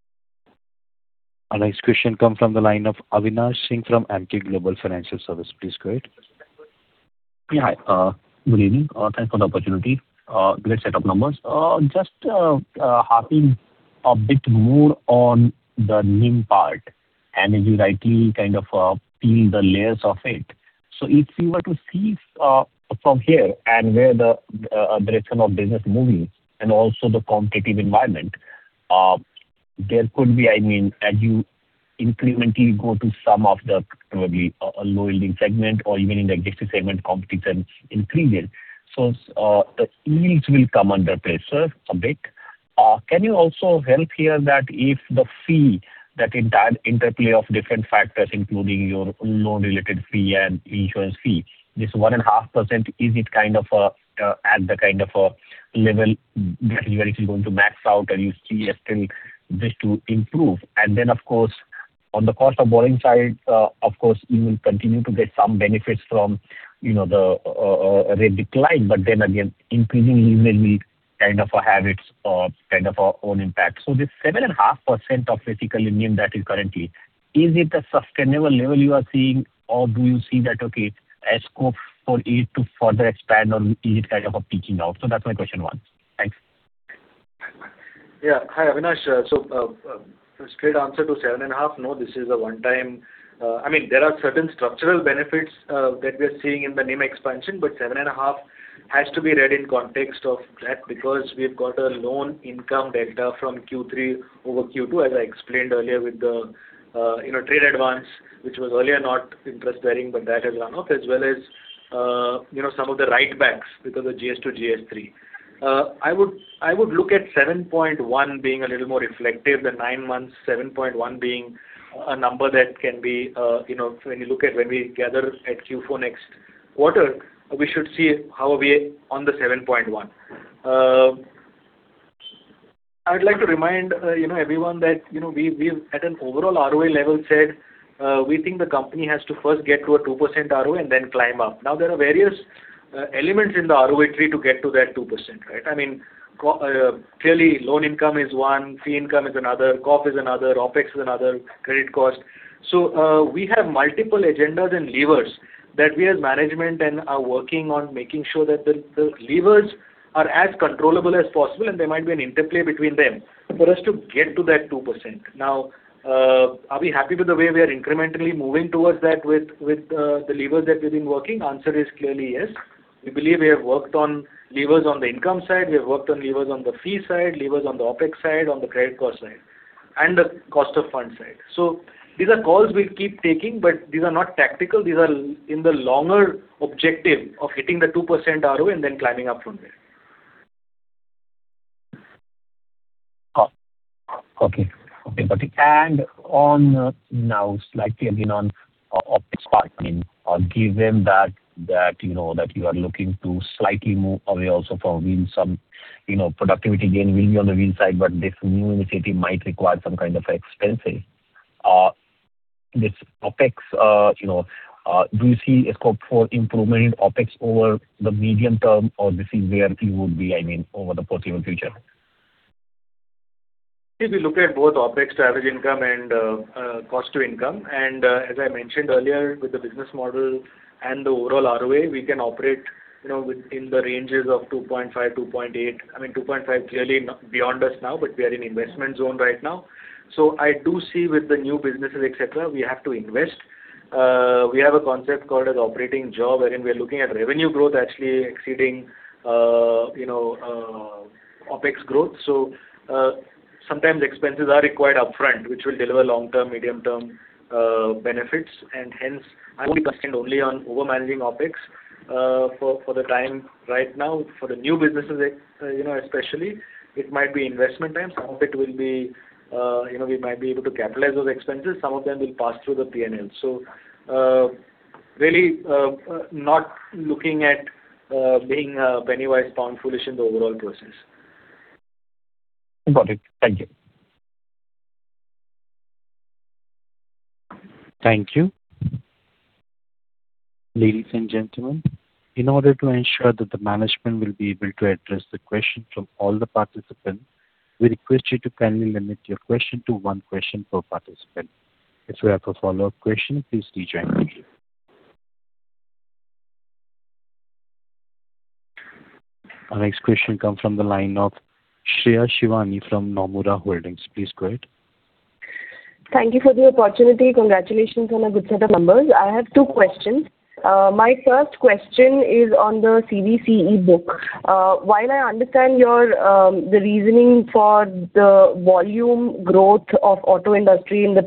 Our next question come from the line of Avinash Singh from Emkay Global Financial Services. Please go ahead. Yeah. Hi. Good evening. Thanks for the opportunity. Great set of numbers. Just harping a bit more on the NIM part, and as you rightly kind of peel the layers of it. So if you were to see from here and where the direction of business moving and also the competitive environment, there could be, I mean, as you incrementally go to some of the probably a low-yielding segment or even in the digital segment, competition increases, so the yields will come under pressure a bit. Can you also help here that if the fee, that entire interplay of different factors, including your loan-related fee and insurance fee, this 1.5%, is it kind of at the kind of level that where it is going to max out, and you see as still this to improve? And then, of course, on the cost of borrowing side, of course, you will continue to get some benefits from, you know, the rate decline, but then again, increasing yield will kind of have its kind of own impact. So this 7.5% of basically NIM that is currently, is it a sustainable level you are seeing, or do you see that, okay, as scope for it to further expand, or is it kind of a peaking out? So that's my question one. Thanks. Yeah. Hi, Avinash. So, straight answer to 7.5, no, this is a one-time... I mean, there are certain structural benefits that we are seeing in the NIM expansion, but 7.5 has to be read in context of that, because we've got a loan income delta from Q3 over Q2, as I explained earlier, with the, you know, trade advance, which was earlier not interest-bearing, but that has run off, as well as, you know, some of the write-backs because of GS2-GS3. I would look at 7.1 being a little more reflective. The nine months, 7.1 being a number that can be, you know, when you look at when we gather at Q4 next quarter, we should see how are we on the 7.1. I would like to remind, you know, everyone that, you know, we've, we've at an overall ROE level said, we think the company has to first get to a 2% ROA and then climb up. Now, there are various, elements in the ROE tree to get to that 2%, right? I mean, clearly, loan income is one, fee income is another, COF is another, OpEx is another, credit cost. So, we have multiple agendas and levers that we as management and are working on making sure that the, the levers are as controllable as possible, and there might be an interplay between them for us to get to that 2%. Now, are we happy with the way we are incrementally moving towards that with, the levers that we've been working? Answer is clearly yes. We believe we have worked on levers on the income side, we have worked on levers on the fee side, levers on the OpEx side, on the credit cost side, and the cost of fund side. So these are calls we'll keep taking, but these are not tactical. These are in the longer objective of hitting the 2% ROA and then climbing up from there.... Okay. Okay, Pradeep. On now slightly again on OpEx part, I mean, given that, you know, that you are looking to slightly move away also from wholesale, you know, productivity gain will be on the wholesale side, but this new initiative might require some kind of expenses. This OpEx, you know, do you see a scope for improvement in OpEx over the medium term, or this is where it would be, I mean, over the foreseeable future? If you look at both OpEx to average income and, cost to income, and, as I mentioned earlier, with the business model and the overall ROA, we can operate, you know, within the ranges of 2.5-2.8. I mean, 2.5, clearly not beyond us now, but we are in investment zone right now. So I do see with the new businesses, et cetera, we have to invest. We have a concept called as operating jaws, wherein we are looking at revenue growth actually exceeding, you know, OpEx growth. So, sometimes expenses are required upfront, which will deliver long-term, medium-term, benefits, and hence, I'll be focused only on over-managing OpEx. For, for the time right now, for the new businesses, you know, especially, it might be investment time. Some of it will be, you know, we might be able to capitalize those expenses. Some of them will pass through the PNL. So, really, not looking at being penny-wise pound foolish in the overall process. Got it. Thank you. Thank you. Ladies and gentlemen, in order to ensure that the management will be able to address the question from all the participants, we request you to kindly limit your question to one question per participant. If you have a follow-up question, please do join again. Our next question comes from the line of Shreya Shivani from Nomura Holdings. Please go ahead. Thank you for the opportunity. Congratulations on a good set of numbers. I have two questions. My first question is on the CV/CE book. While I understand your reasoning for the volume growth of auto industry in the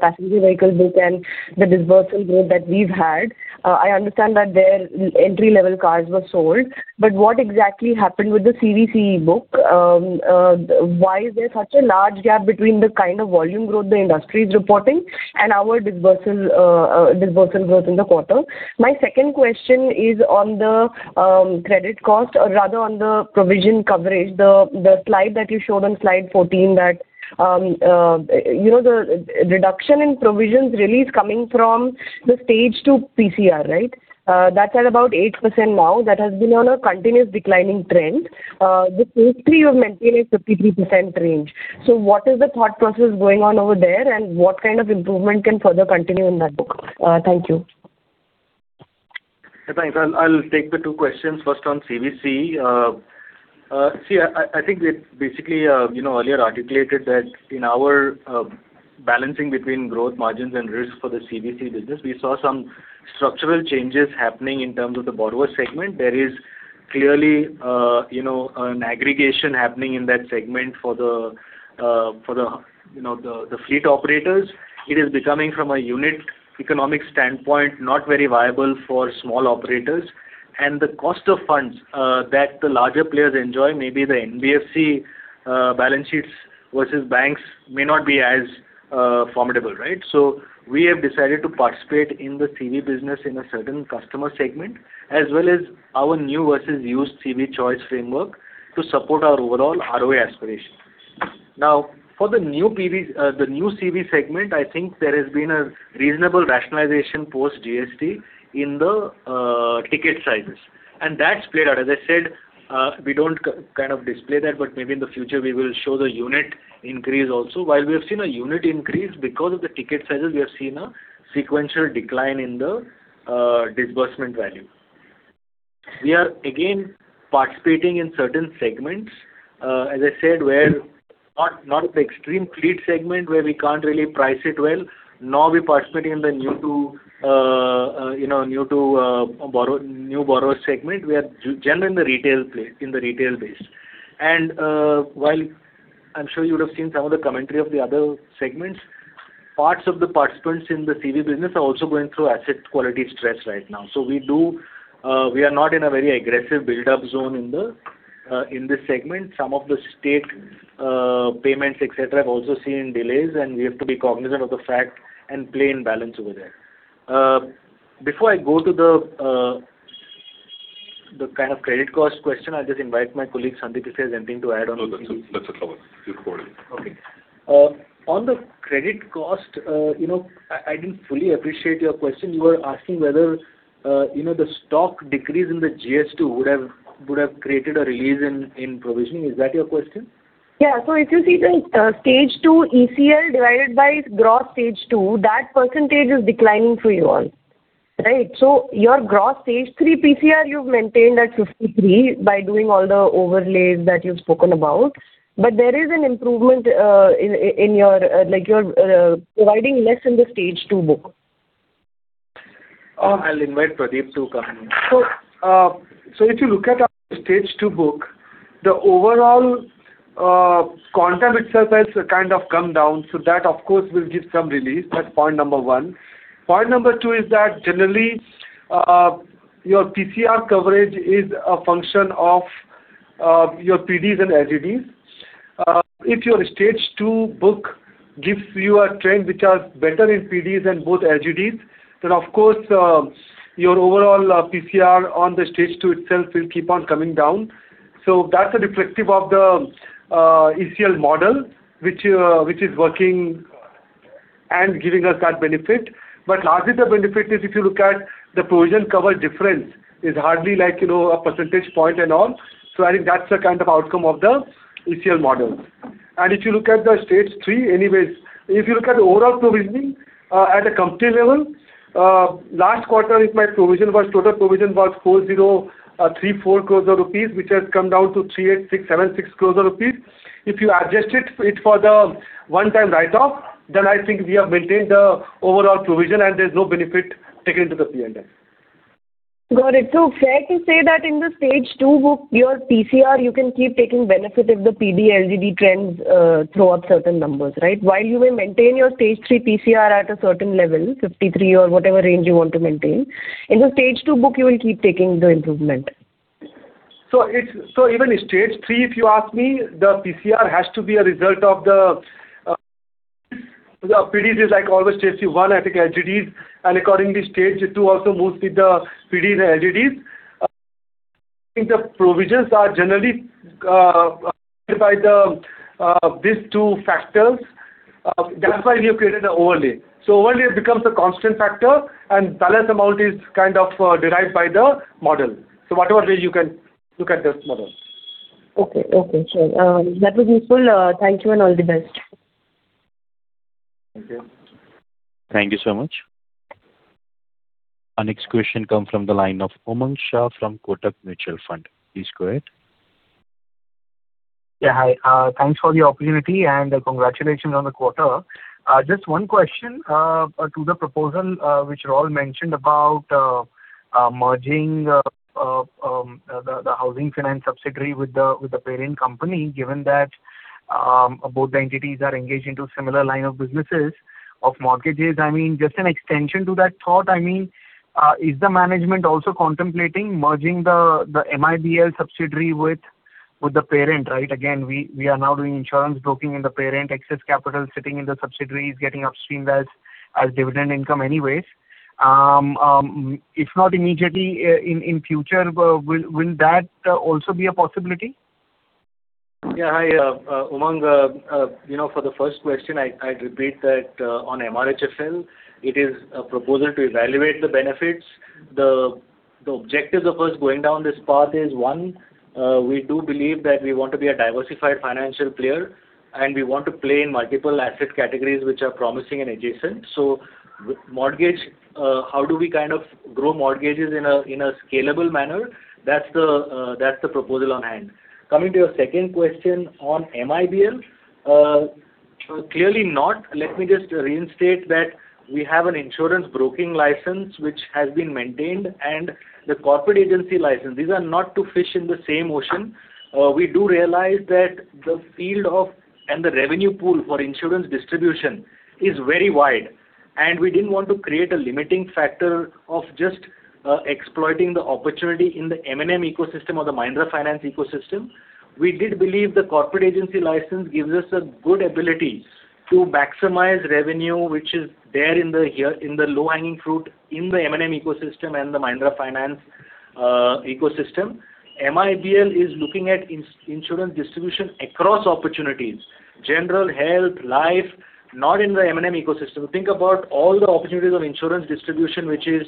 passenger vehicle book and the disbursal growth that we've had, I understand that their entry-level cars were sold, but what exactly happened with the CV/CE book? Why is there such a large gap between the kind of volume growth the industry is reporting and our disbursal growth in the quarter? My second question is on the credit cost or rather on the provision coverage. The slide that you showed on slide 14, that you know, the reduction in provisions release coming from the Stage 2 PCR, right? That's at about 8% now. That has been on a continuous declining trend. With history, you've maintained a 53% range. So what is the thought process going on over there, and what kind of improvement can further continue in that book? Thank you. Thanks. I'll take the two questions. First, on CV/CE. See, I think we've basically, you know, earlier articulated that in our balancing between growth margins and risk for the CV/CE business, we saw some structural changes happening in terms of the borrower segment. There is clearly, you know, an aggregation happening in that segment for the fleet operators. It is becoming from a unit economic standpoint, not very viable for small operators. And the cost of funds that the larger players enjoy, maybe the NBFC balance sheets versus banks may not be as formidable, right? So we have decided to participate in the CV business in a certain customer segment, as well as our new versus used CV choice framework to support our overall ROA aspiration. Now, for the new PVs, the new CV segment, I think there has been a reasonable rationalization post GST in the ticket sizes, and that's played out. As I said, we don't kind of display that, but maybe in the future we will show the unit increase also. While we have seen a unit increase, because of the ticket sizes, we have seen a sequential decline in the disbursement value. We are again participating in certain segments, as I said, where not, not the extreme fleet segment, where we can't really price it well, nor are we participating in the new to, you know, new to borrow... new borrower segment. We are generally in the retail play, in the retail base. And, while I'm sure you would have seen some of the commentary of the other segments, parts of the participants in the CV business are also going through asset quality stress right now. So we do, we are not in a very aggressive buildup zone in the, in this segment. Some of the state, payments, et cetera, have also seen delays, and we have to be cognizant of the fact and play in balance over there. Before I go to the, the kind of credit cost question, I'll just invite my colleague, Sandeep, if he has anything to add on. No, that's, that's all right. Please go ahead. Okay. On the credit cost, you know, I, I didn't fully appreciate your question. You were asking whether, you know, the stock decrease in the GS2 would have, would have created a release in, in provisioning. Is that your question? Yeah. So if you see the Stage 2 ECL divided by Gross Stage 3, that percentage is declining for you all, right? So your Gross Stage 3 PCR, you've maintained at 53 by doing all the overlays that you've spoken about, but there is an improvement in your like your providing less in the Stage 2 book. I'll invite Pradeep to come in. So if you look at our Stage 2 book, the overall quantum itself has kind of come down, so that, of course, will give some release. That's point number one. ...Point number two is that generally, your PCR coverage is a function of your PDs and LGDs. If your Stage 2 book gives you a trend which are better in PDs and both LGDs, then of course, your overall PCR on the Stage 2 itself will keep on coming down. So that's a reflective of the ECL model, which is working and giving us that benefit. But largely the benefit is if you look at the provision cover difference, is hardly like, you know, a percentage point and all. So I think that's the kind of outcome of the ECL model. And if you look at the Stage 3, anyways, if you look at the overall provisioning, at a company level, last quarter if my provision was total provision was 4,034 crore rupees, which has come down to 3,867.6 crore rupees. If you adjust it for the one-time write-off, then I think we have maintained the overall provision and there's no benefit taking it to the PNL. Got it. So fair to say that in the Stage 2 book, your PCR, you can keep taking benefit of the PD LGD trends throughout certain numbers, right? While you will maintain your Stage 3 PCR at a certain level, 53 or whatever range you want to maintain. In the Stage 2 book, you will keep taking the improvement. So even in Stage 3, if you ask me, the PCR has to be a result of the PDs, like always Stage 1, I think LGDs, and accordingly, Stage 2 also moves with the PD and LGDs. I think the provisions are generally by these two factors. That's why we have created an overlay. So overlay becomes a constant factor and balance amount is kind of derived by the model. So whatever way you can look at this model. Okay. Okay, sure. That was useful. Thank you, and all the best. Thank you. Thank you so much. Our next question comes from the line of Umang Shah from Kotak Mutual Fund. Please go ahead. Yeah, hi. Thanks for the opportunity, and congratulations on the quarter. Just one question to the proposal which Raul mentioned about merging the housing finance subsidiary with the parent company, given that both the entities are engaged into similar line of businesses of mortgages. I mean, just an extension to that thought, I mean, is the management also contemplating merging the MIBL subsidiary with the parent, right? Again, we are now doing insurance broking in the parent, excess capital sitting in the subsidiaries, getting upstreamed as dividend income anyways. If not immediately, in future, will that also be a possibility? Yeah, hi, Umang. You know, for the first question, I'd repeat that, on MRHFL, it is a proposal to evaluate the benefits. The objectives of us going down this path is, one, we do believe that we want to be a diversified financial player, and we want to play in multiple asset categories which are promising and adjacent. So mortgage, how do we kind of grow mortgages in a scalable manner? That's the proposal on hand. Coming to your second question on MIBL. Clearly not. Let me just reinstate that we have an insurance broking license, which has been maintained, and the corporate agency license. These are not to fish in the same ocean. We do realize that the field of, and the revenue pool for insurance distribution is very wide, and we didn't want to create a limiting factor of just exploiting the opportunity in the M&M ecosystem or the Mahindra Finance ecosystem. We did believe the corporate agency license gives us a good ability to maximize revenue, which is there in the here, in the low-hanging fruit, in the M&M ecosystem and the Mahindra Finance ecosystem. MIBL is looking at insurance distribution across opportunities: general, health, life, not in the M&M ecosystem. Think about all the opportunities of insurance distribution, which is,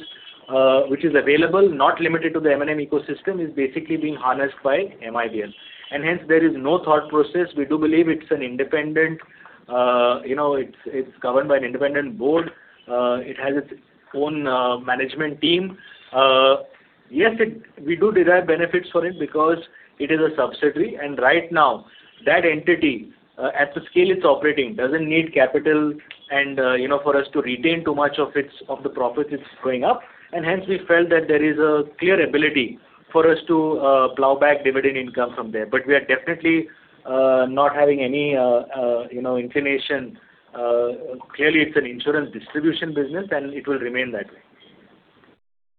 which is available, not limited to the M&M ecosystem, is basically being harnessed by MIBL. And hence, there is no thought process. We do believe it's an independent, you know, it's, it's governed by an independent board. It has its own management team. Yes, we do derive benefits for it because it is a subsidiary, and right now, that entity, at the scale it's operating, doesn't need capital and, you know, for us to retain too much of its, of the profits, it's going up. And hence, we felt that there is a clear ability for us to plowback dividend income from there. But we are definitely not having any, you know, inclination. Clearly, it's an insurance distribution business, and it will remain that way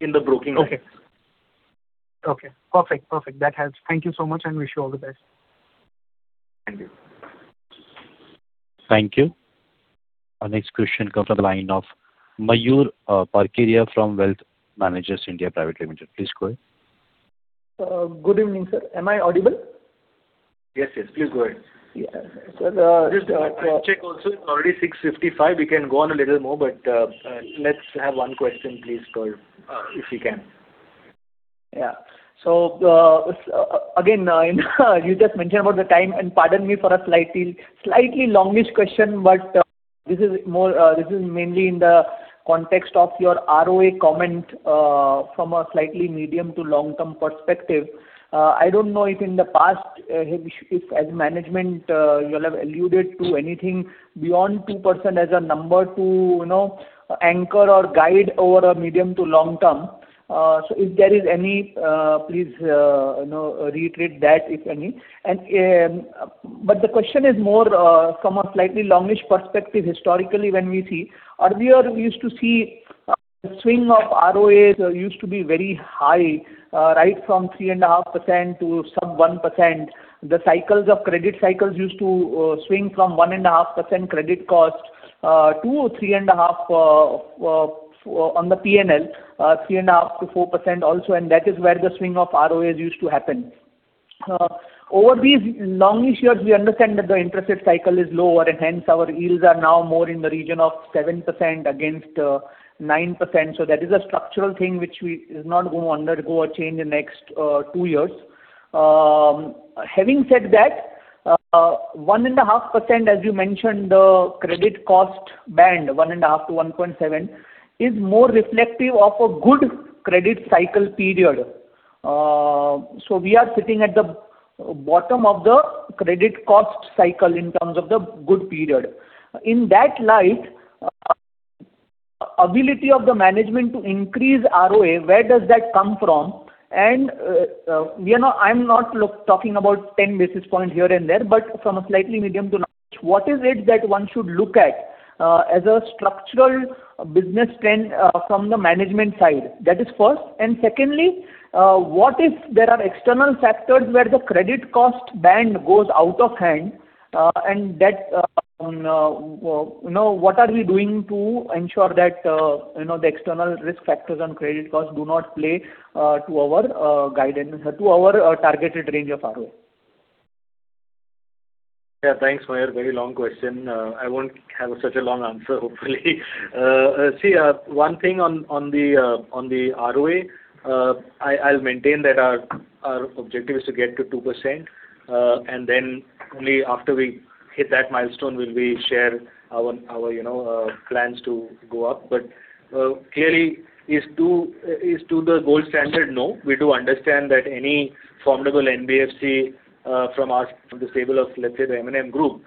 in the broking. Okay. Okay, perfect. Perfect, that helps. Thank you so much, and wish you all the best. Thank you. Thank you. Our next question comes from the line of Mayur Parkeria from Wealth Managers (India) Private Limited. Please go ahead. Good evening, sir. Am I audible? Yes, yes, please go ahead. Yeah. Sir, just to check also, it's already 6:55 P.M. We can go on a little more, but, let's have one question, please, call, if you can. Yeah. So, again, you just mentioned about the time, and pardon me for a slightly, slightly longish question, but, this is mainly in the context of your ROA comment, from a slightly medium to long-term perspective.... I don't know if in the past, if as management, you all have alluded to anything beyond 2% as a number to, you know, anchor or guide over a medium to long term. So if there is any, please, you know, reiterate that, if any. But the question is more from a slightly longish perspective, historically, when we see, earlier we used to see a swing of ROAs used to be very high, right from 3.5% to sub 1%. The cycles of credit cycles used to swing from 1.5% credit cost to 3.5% on the PNL, 3.5%-4% also, and that is where the swing of ROAs used to happen. Over these longish years, we understand that the interest rate cycle is lower, and hence our yields are now more in the region of 7% against 9%. So that is a structural thing which is not going to undergo a change in next 2 years. Having said that, 1.5%, as you mentioned, the credit cost band, 1.5%-1.7%, is more reflective of a good credit cycle period. So we are sitting at the bottom of the credit cost cycle in terms of the good period. In that light, ability of the management to increase ROA, where does that come from? I'm not talking about 10 basis points here and there, but from a slightly medium to large, what is it that one should look at as a structural business trend from the management side? That is first. And secondly, what if there are external factors where the credit cost band goes out of hand, and that, you know, what are we doing to ensure that, you know, the external risk factors on credit costs do not play to our guidance, to our targeted range of ROA? Yeah, thanks, Mayur. Very long question. I won't have such a long answer, hopefully. See, one thing on the ROA, I'll maintain that our objective is to get to 2%, and then only after we hit that milestone will we share our, you know, plans to go up. But, clearly, is two the gold standard? No. We do understand that any formidable NBFC from the stable of, let's say, the M&M group,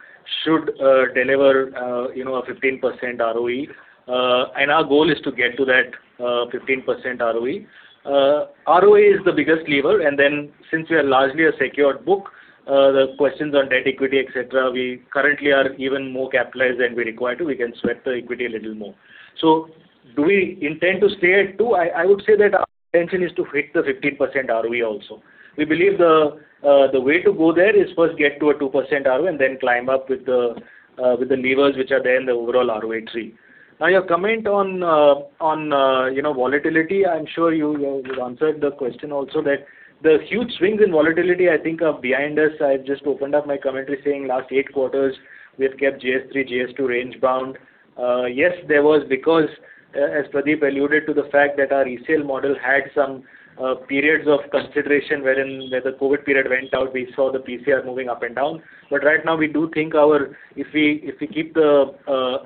should deliver, you know, a 15% ROE, and our goal is to get to that 15% ROE. ROE is the biggest lever, and then since we are largely a secured book, the questions on debt equity, et cetera, we currently are even more capitalized than we're required to. We can sweat the equity a little more. So do we intend to stay at two? I, I would say that our intention is to hit the 15% ROE also. We believe the way to go there is first get to a 2% ROA and then climb up with the levers which are there in the overall ROE tree. Now, your comment on, you know, volatility, I'm sure you answered the question also that the huge swings in volatility, I think, are behind us. I've just opened up my commentary saying last eight quarters, we have kept GS3, GS2 range-bound. Yes, there was because, as Pradeep alluded to the fact that our ECL model had some periods of consideration wherein when the COVID period went out, we saw the PCR moving up and down. But right now we do think our if we, if we keep the,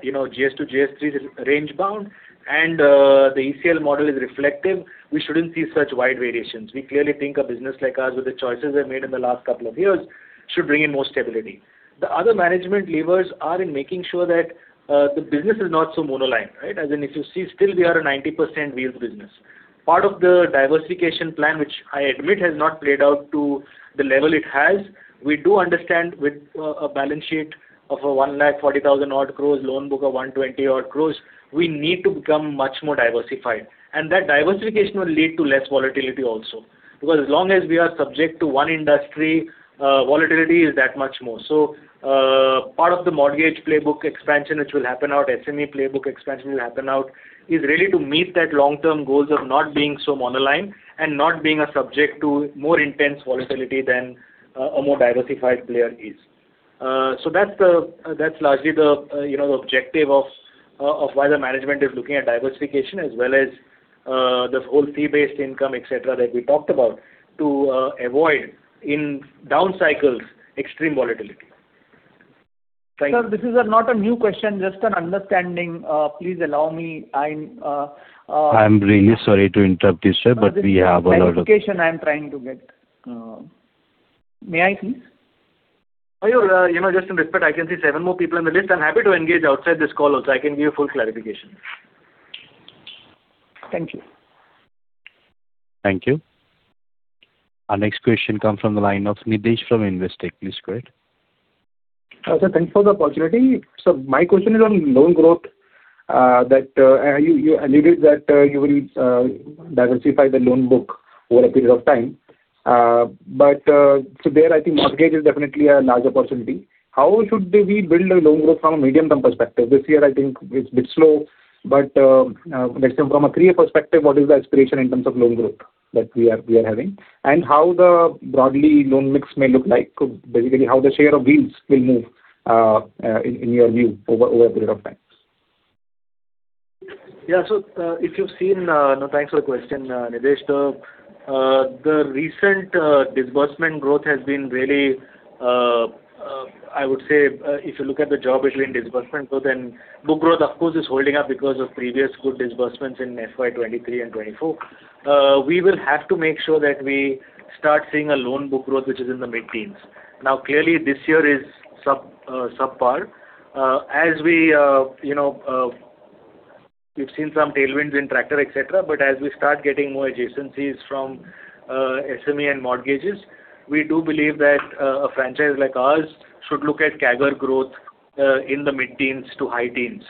you know, GS2, GS3 range-bound and the ECL model is reflective, we shouldn't see such wide variations. We clearly think a business like ours, with the choices we've made in the last couple of years, should bring in more stability. The other management levers are in making sure that the business is not so monoline, right? As in, if you see, still we are a 90% Wheels business. Part of the diversification plan, which I admit has not played out to the level it has, we do understand with a balance sheet of 140,000 crore, loan book of 120,000 crore, we need to become much more diversified. And that diversification will lead to less volatility also. Because as long as we are subject to one industry, volatility is that much more. So, part of the mortgage playbook expansion, which will happen out, SME playbook expansion will happen out, is really to meet that long-term goals of not being so monoline and not being a subject to more intense volatility than, a more diversified player is. So that's the, that's largely the, you know, the objective of, of why the management is looking at diversification as well as, this whole fee-based income, et cetera, that we talked about, to, avoid in down cycles, extreme volatility. Thank you. Sir, this is not a new question, just an understanding. Please allow me. I'm, I am really sorry to interrupt you, sir, but we have a lot of- Clarification I am trying to get. May I please? Oh, you know, just in respect, I can see seven more people on the list. I'm happy to engage outside this call also. I can give you full clarification. Thank you. Thank you. Our next question comes from the line of Nidhesh from Investec. Please go ahead. Sir, thank you for the opportunity. So my question is on loan growth, that you alluded that you will diversify the loan book over a period of time. But, so there, I think mortgage is definitely a large opportunity. How should we build a loan growth from a medium-term perspective? This year, I think it's a bit slow, but, let's say from a clear perspective, what is the aspiration in terms of loan growth that we are having? And how the broadly loan mix may look like? Basically, how the share of wheels will move, in your view, over a period of time. Yeah. So, if you've seen... No, thanks for the question, Nidesh. The recent disbursement growth has been really... I would say, if you look at the gap between disbursement, so then book growth, of course, is holding up because of previous good disbursements in FY 2023 and 2024. We will have to make sure that we start seeing a loan book growth, which is in the mid-teens. Now, clearly, this year is subpar. As we, you know, we've seen some tailwinds in tractor, et cetera, but as we start getting more adjacencies from SME and mortgages, we do believe that a franchise like ours should look at CAGR growth in the mid-teens to high teens.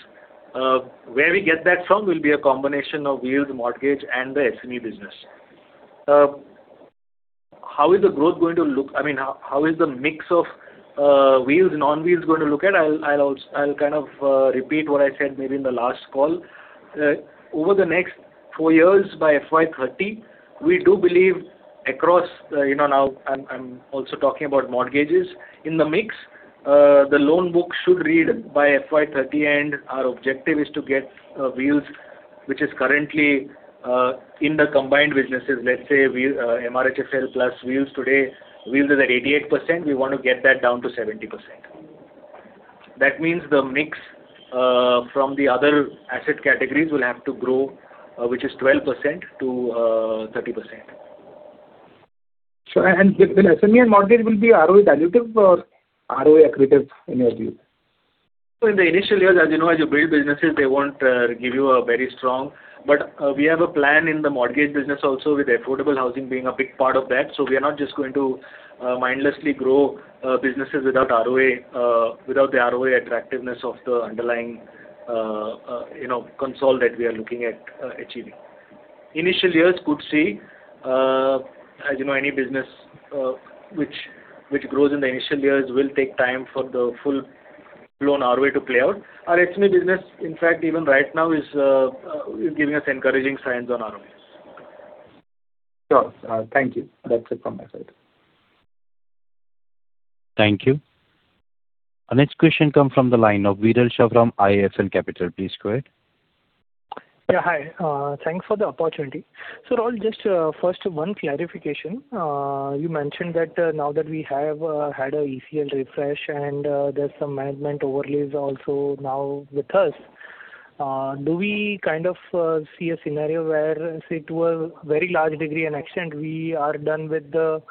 Where we get that from will be a combination of wheels, mortgage, and the SME business. How is the growth going to look? I mean, how is the mix of Wheels, non-Wheels going to look like? I'll also kind of repeat what I said maybe in the last call. Over the next four years, by FY 2030, we do believe across, you know, now I'm also talking about mortgages. In the mix, the loan book should reach by FY 2030, and our objective is to get Wheels, which is currently in the combined businesses. Let's say Wheels, MRHFL plus Wheels today. Wheels is at 88%, we want to get that down to 70%. That means the mix from the other asset categories will have to grow, which is 12%-30%. Sure. With the SME and mortgage will be ROE dilutive or ROE accretive, in your view? So in the initial years, as you know, as you build businesses, they won't give you a very strong... But, we have a plan in the mortgage business also, with affordable housing being a big part of that. So we are not just going to mindlessly grow businesses without ROA, without the ROA attractiveness of the underlying, you know, Consol that we are looking at achieving. Initial years could see, as you know, any business which grows in the initial years will take time for the full-blown ROA to play out. Our SME business, in fact, even right now, is giving us encouraging signs on ROAs. Sure. Thank you. That's it from my side. Thank you. Our next question comes from the line of Viral Shah from IIFL Capital. Please go ahead. Yeah, hi. Thanks for the opportunity. So Raul, just first, one clarification. You mentioned that now that we have had a ECL refresh and there's some management overlays also now with us, do we kind of see a scenario where, say, to a very large degree and extent, we are done with the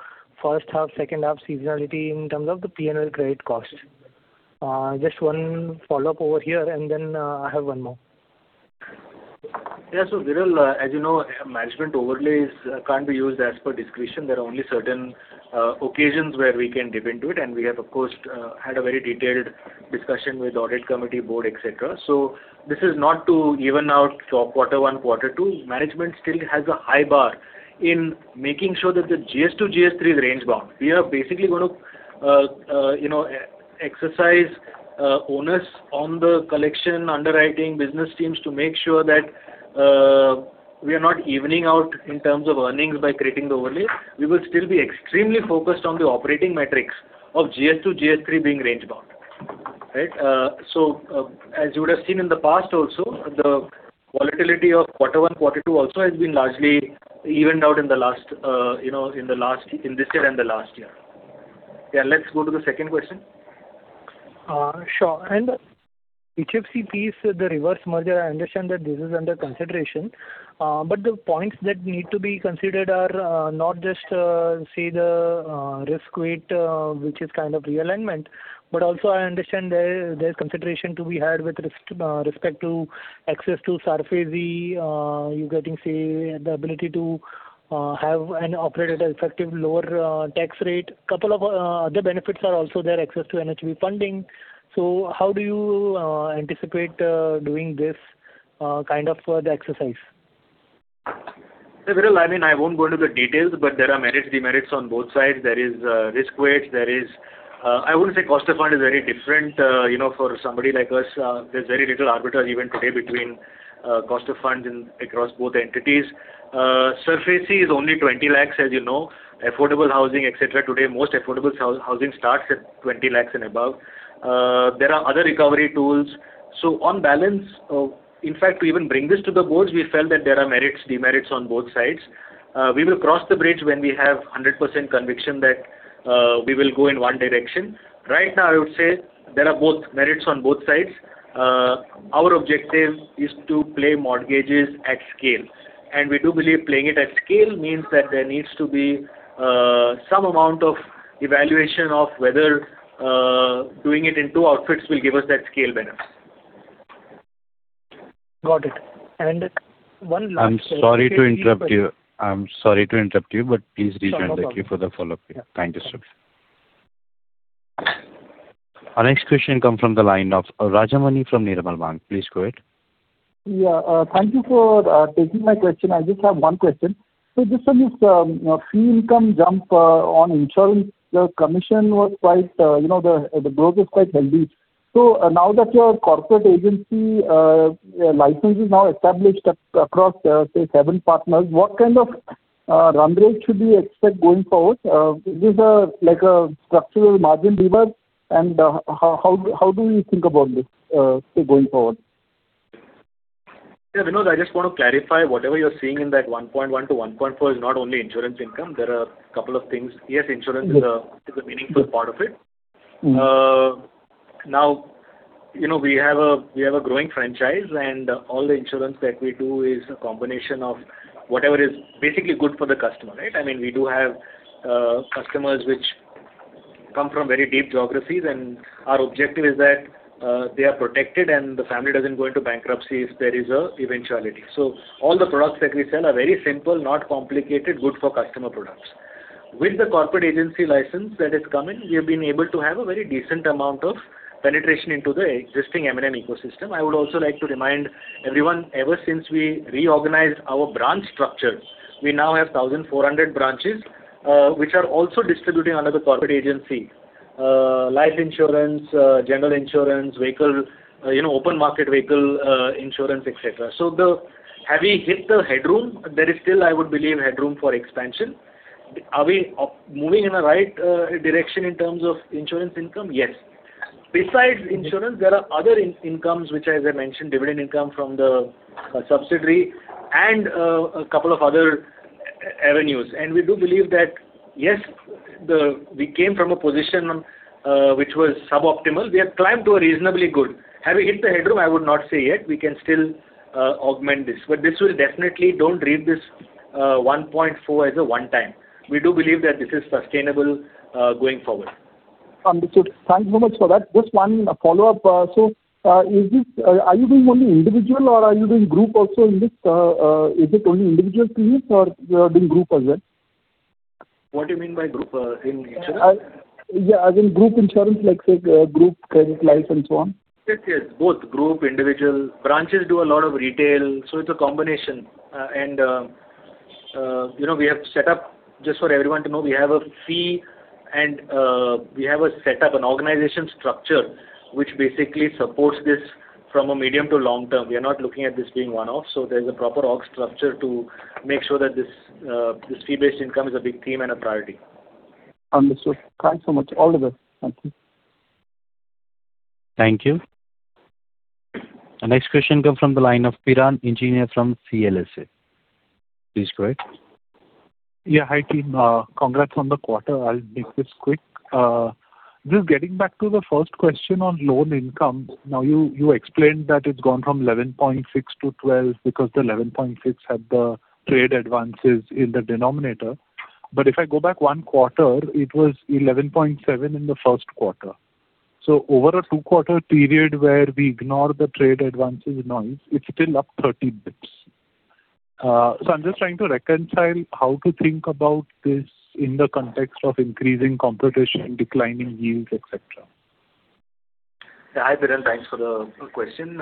first half, second half seasonality in terms of the PNL credit cost? Just one follow-up over here, and then I have one more. Yeah. So, Viral, as you know, management overlays can't be used as per discretion. There are only certain occasions where we can dip into it, and we have, of course, had a very detailed discussion with audit committee board, et cetera. So this is not to even out quarter one, quarter two. Management still has a high bar in making sure that the GS two, GS three is range-bound. We are basically going to, you know, exercise owners on the collection, underwriting, business teams to make sure that we are not evening out in terms of earnings by creating the overlay. We will still be extremely focused on the operating metrics of GS two, GS three being range-bound. Right? So, as you would have seen in the past also, the volatility of quarter one, quarter two also has been largely evened out in the last, you know, in the last in this year and the last year. Yeah, let's go to the second question. Sure. And HFC piece, the reverse merger, I understand that this is under consideration, but the points that need to be considered are not just, say the, risk weight, which is kind of realignment, but also I understand there, there's consideration to be had with respect to access to SARFAESI. You getting, say, the ability to have and operate at an effective lower tax rate. Couple of other benefits are also there, access to NHB funding. So how do you anticipate doing this kind of the exercise? Yeah, Viral, I mean, I won't go into the details, but there are merits, demerits on both sides. There is risk weight, there is. I wouldn't say cost of fund is very different. You know, for somebody like us, there's very little arbitrage even today between cost of funds in, across both entities. SARFAESI is only 20 lakh, as you know, affordable housing, et cetera. Today, most affordable housing starts at 20 lakh and above. There are other recovery tools. So on balance, in fact, to even bring this to the boards, we felt that there are merits, demerits on both sides. We will cross the bridge when we have 100% conviction that we will go in one direction. Right now, I would say there are both merits on both sides. Our objective is to play mortgages at scale, and we do believe playing it at scale means that there needs to be some amount of evaluation of whether doing it in two outfits will give us that scale benefit. Got it. And one last- I'm sorry to interrupt you. I'm sorry to interrupt you, but please rejoin the queue for the follow-up. Kind regards. Our next question come from the line of Rajamani from Nirmal Bang. Please go ahead. Yeah, thank you for taking my question. I just have one question. So just on this, fee income jump, on insurance, the commission was quite, you know, the growth is quite healthy. So, now that your corporate agency license is now established across, say, seven partners, what kind of run rate should we expect going forward? Is this a, like a structural margin lever? And, how do we think about this, say, going forward? ... Yeah, Vinod, I just want to clarify, whatever you're seeing in that 1.1-1.4 is not only insurance income. There are a couple of things. Yes, insurance is a meaningful part of it. Now, you know, we have a growing franchise, and all the insurance that we do is a combination of whatever is basically good for the customer, right? I mean, we do have customers which come from very deep geographies, and our objective is that they are protected and the family doesn't go into bankruptcy if there is an eventuality. So all the products that we sell are very simple, not complicated, good for customer products. With the corporate agency license that is coming, we have been able to have a very decent amount of penetration into the existing M&M ecosystem. I would also like to remind everyone, ever since we reorganized our branch structure, we now have 1,400 branches, which are also distributing under the corporate agency, life insurance, general insurance, vehicle, you know, open market vehicle, insurance, et cetera. So, have we hit the headroom? There is still, I would believe, headroom for expansion. Are we moving in the right direction in terms of insurance income? Yes. Besides insurance, there are other incomes which as I mentioned, dividend income from the subsidiary and a couple of other avenues. And we do believe that, yes, we came from a position which was suboptimal. We have climbed to a reasonably good. Have we hit the headroom? I would not say yet. We can still augment this. But this will definitely don't read this, 1.4 as a one time. We do believe that this is sustainable, going forward. Understood. Thanks very much for that. Just one follow-up. So, is this, are you doing only individual or are you doing group also in this? Is it only individual premise or you are doing group as well? What do you mean by group, in insurance? Yeah, as in group insurance, like, say, group credit life and so on. Yes, yes, both group, individual. Branches do a lot of retail, so it's a combination. You know, we have set up just for everyone to know, we have a fee and, we have a setup, an organization structure, which basically supports this from a medium to long term. We are not looking at this being one-off, so there's a proper org structure to make sure that this, this fee-based income is a big theme and a priority. Understood. Thanks so much. All the best. Thank you. Thank you. The next question comes from the line of Piran Engineer from CLSA. Please go ahead. Yeah, hi, team. Congrats on the quarter. I'll make this quick. Just getting back to the first question on loan income. Now, you, you explained that it's gone from 11.6 to 12, because the 11.6 had the trade advances in the denominator. But if I go back one quarter, it was 11.7 in the first quarter. So over a two-quarter period where we ignore the trade advances noise, it's still up 13 bits. So I'm just trying to reconcile how to think about this in the context of increasing competition, declining yields, et cetera. Hi, Piran. Thanks for the question.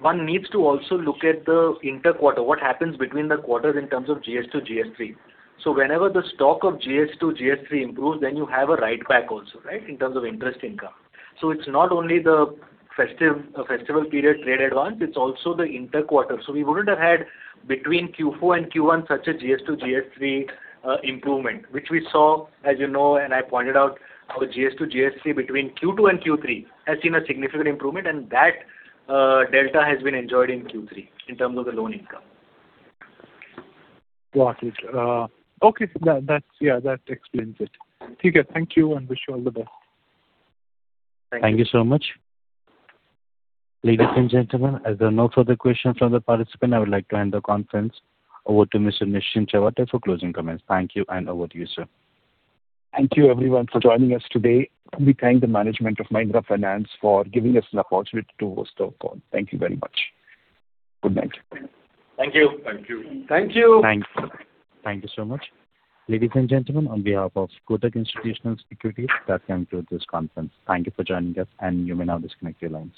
One needs to also look at the inter quarter, what happens between the quarters in terms of GS2 to GS3. So whenever the stock of GS2-GS3 improves, then you have a write back also, right, in terms of interest income. So it's not only the festive, festival period trade advance, it's also the inter quarter. So we wouldn't have had between Q4 and Q1 such a GS2-GS3 improvement, which we saw, as you know, and I pointed out, our GS2-GS3 between Q2 and Q3 has seen a significant improvement, and that, delta has been enjoyed in Q3 in terms of the loan income. Got it. Okay, that's... Yeah, that explains it. Thank you, and wish you all the best. Thank you so much. Ladies and gentlemen, as there are no further questions from the participant, I would like to end the conference. Over to Mr. Nischint Chawathe for closing comments. Thank you, and over to you, sir. Thank you everyone for joining us today. We thank the management of Mahindra Finance for giving us an opportunity to host the call. Thank you very much. Good night. Thank you. Thank you. Thank you. Thanks. Thank you so much. Ladies and gentlemen, on behalf of Kotak Institutional Equities, that concludes this conference. Thank you for joining us, and you may now disconnect your lines.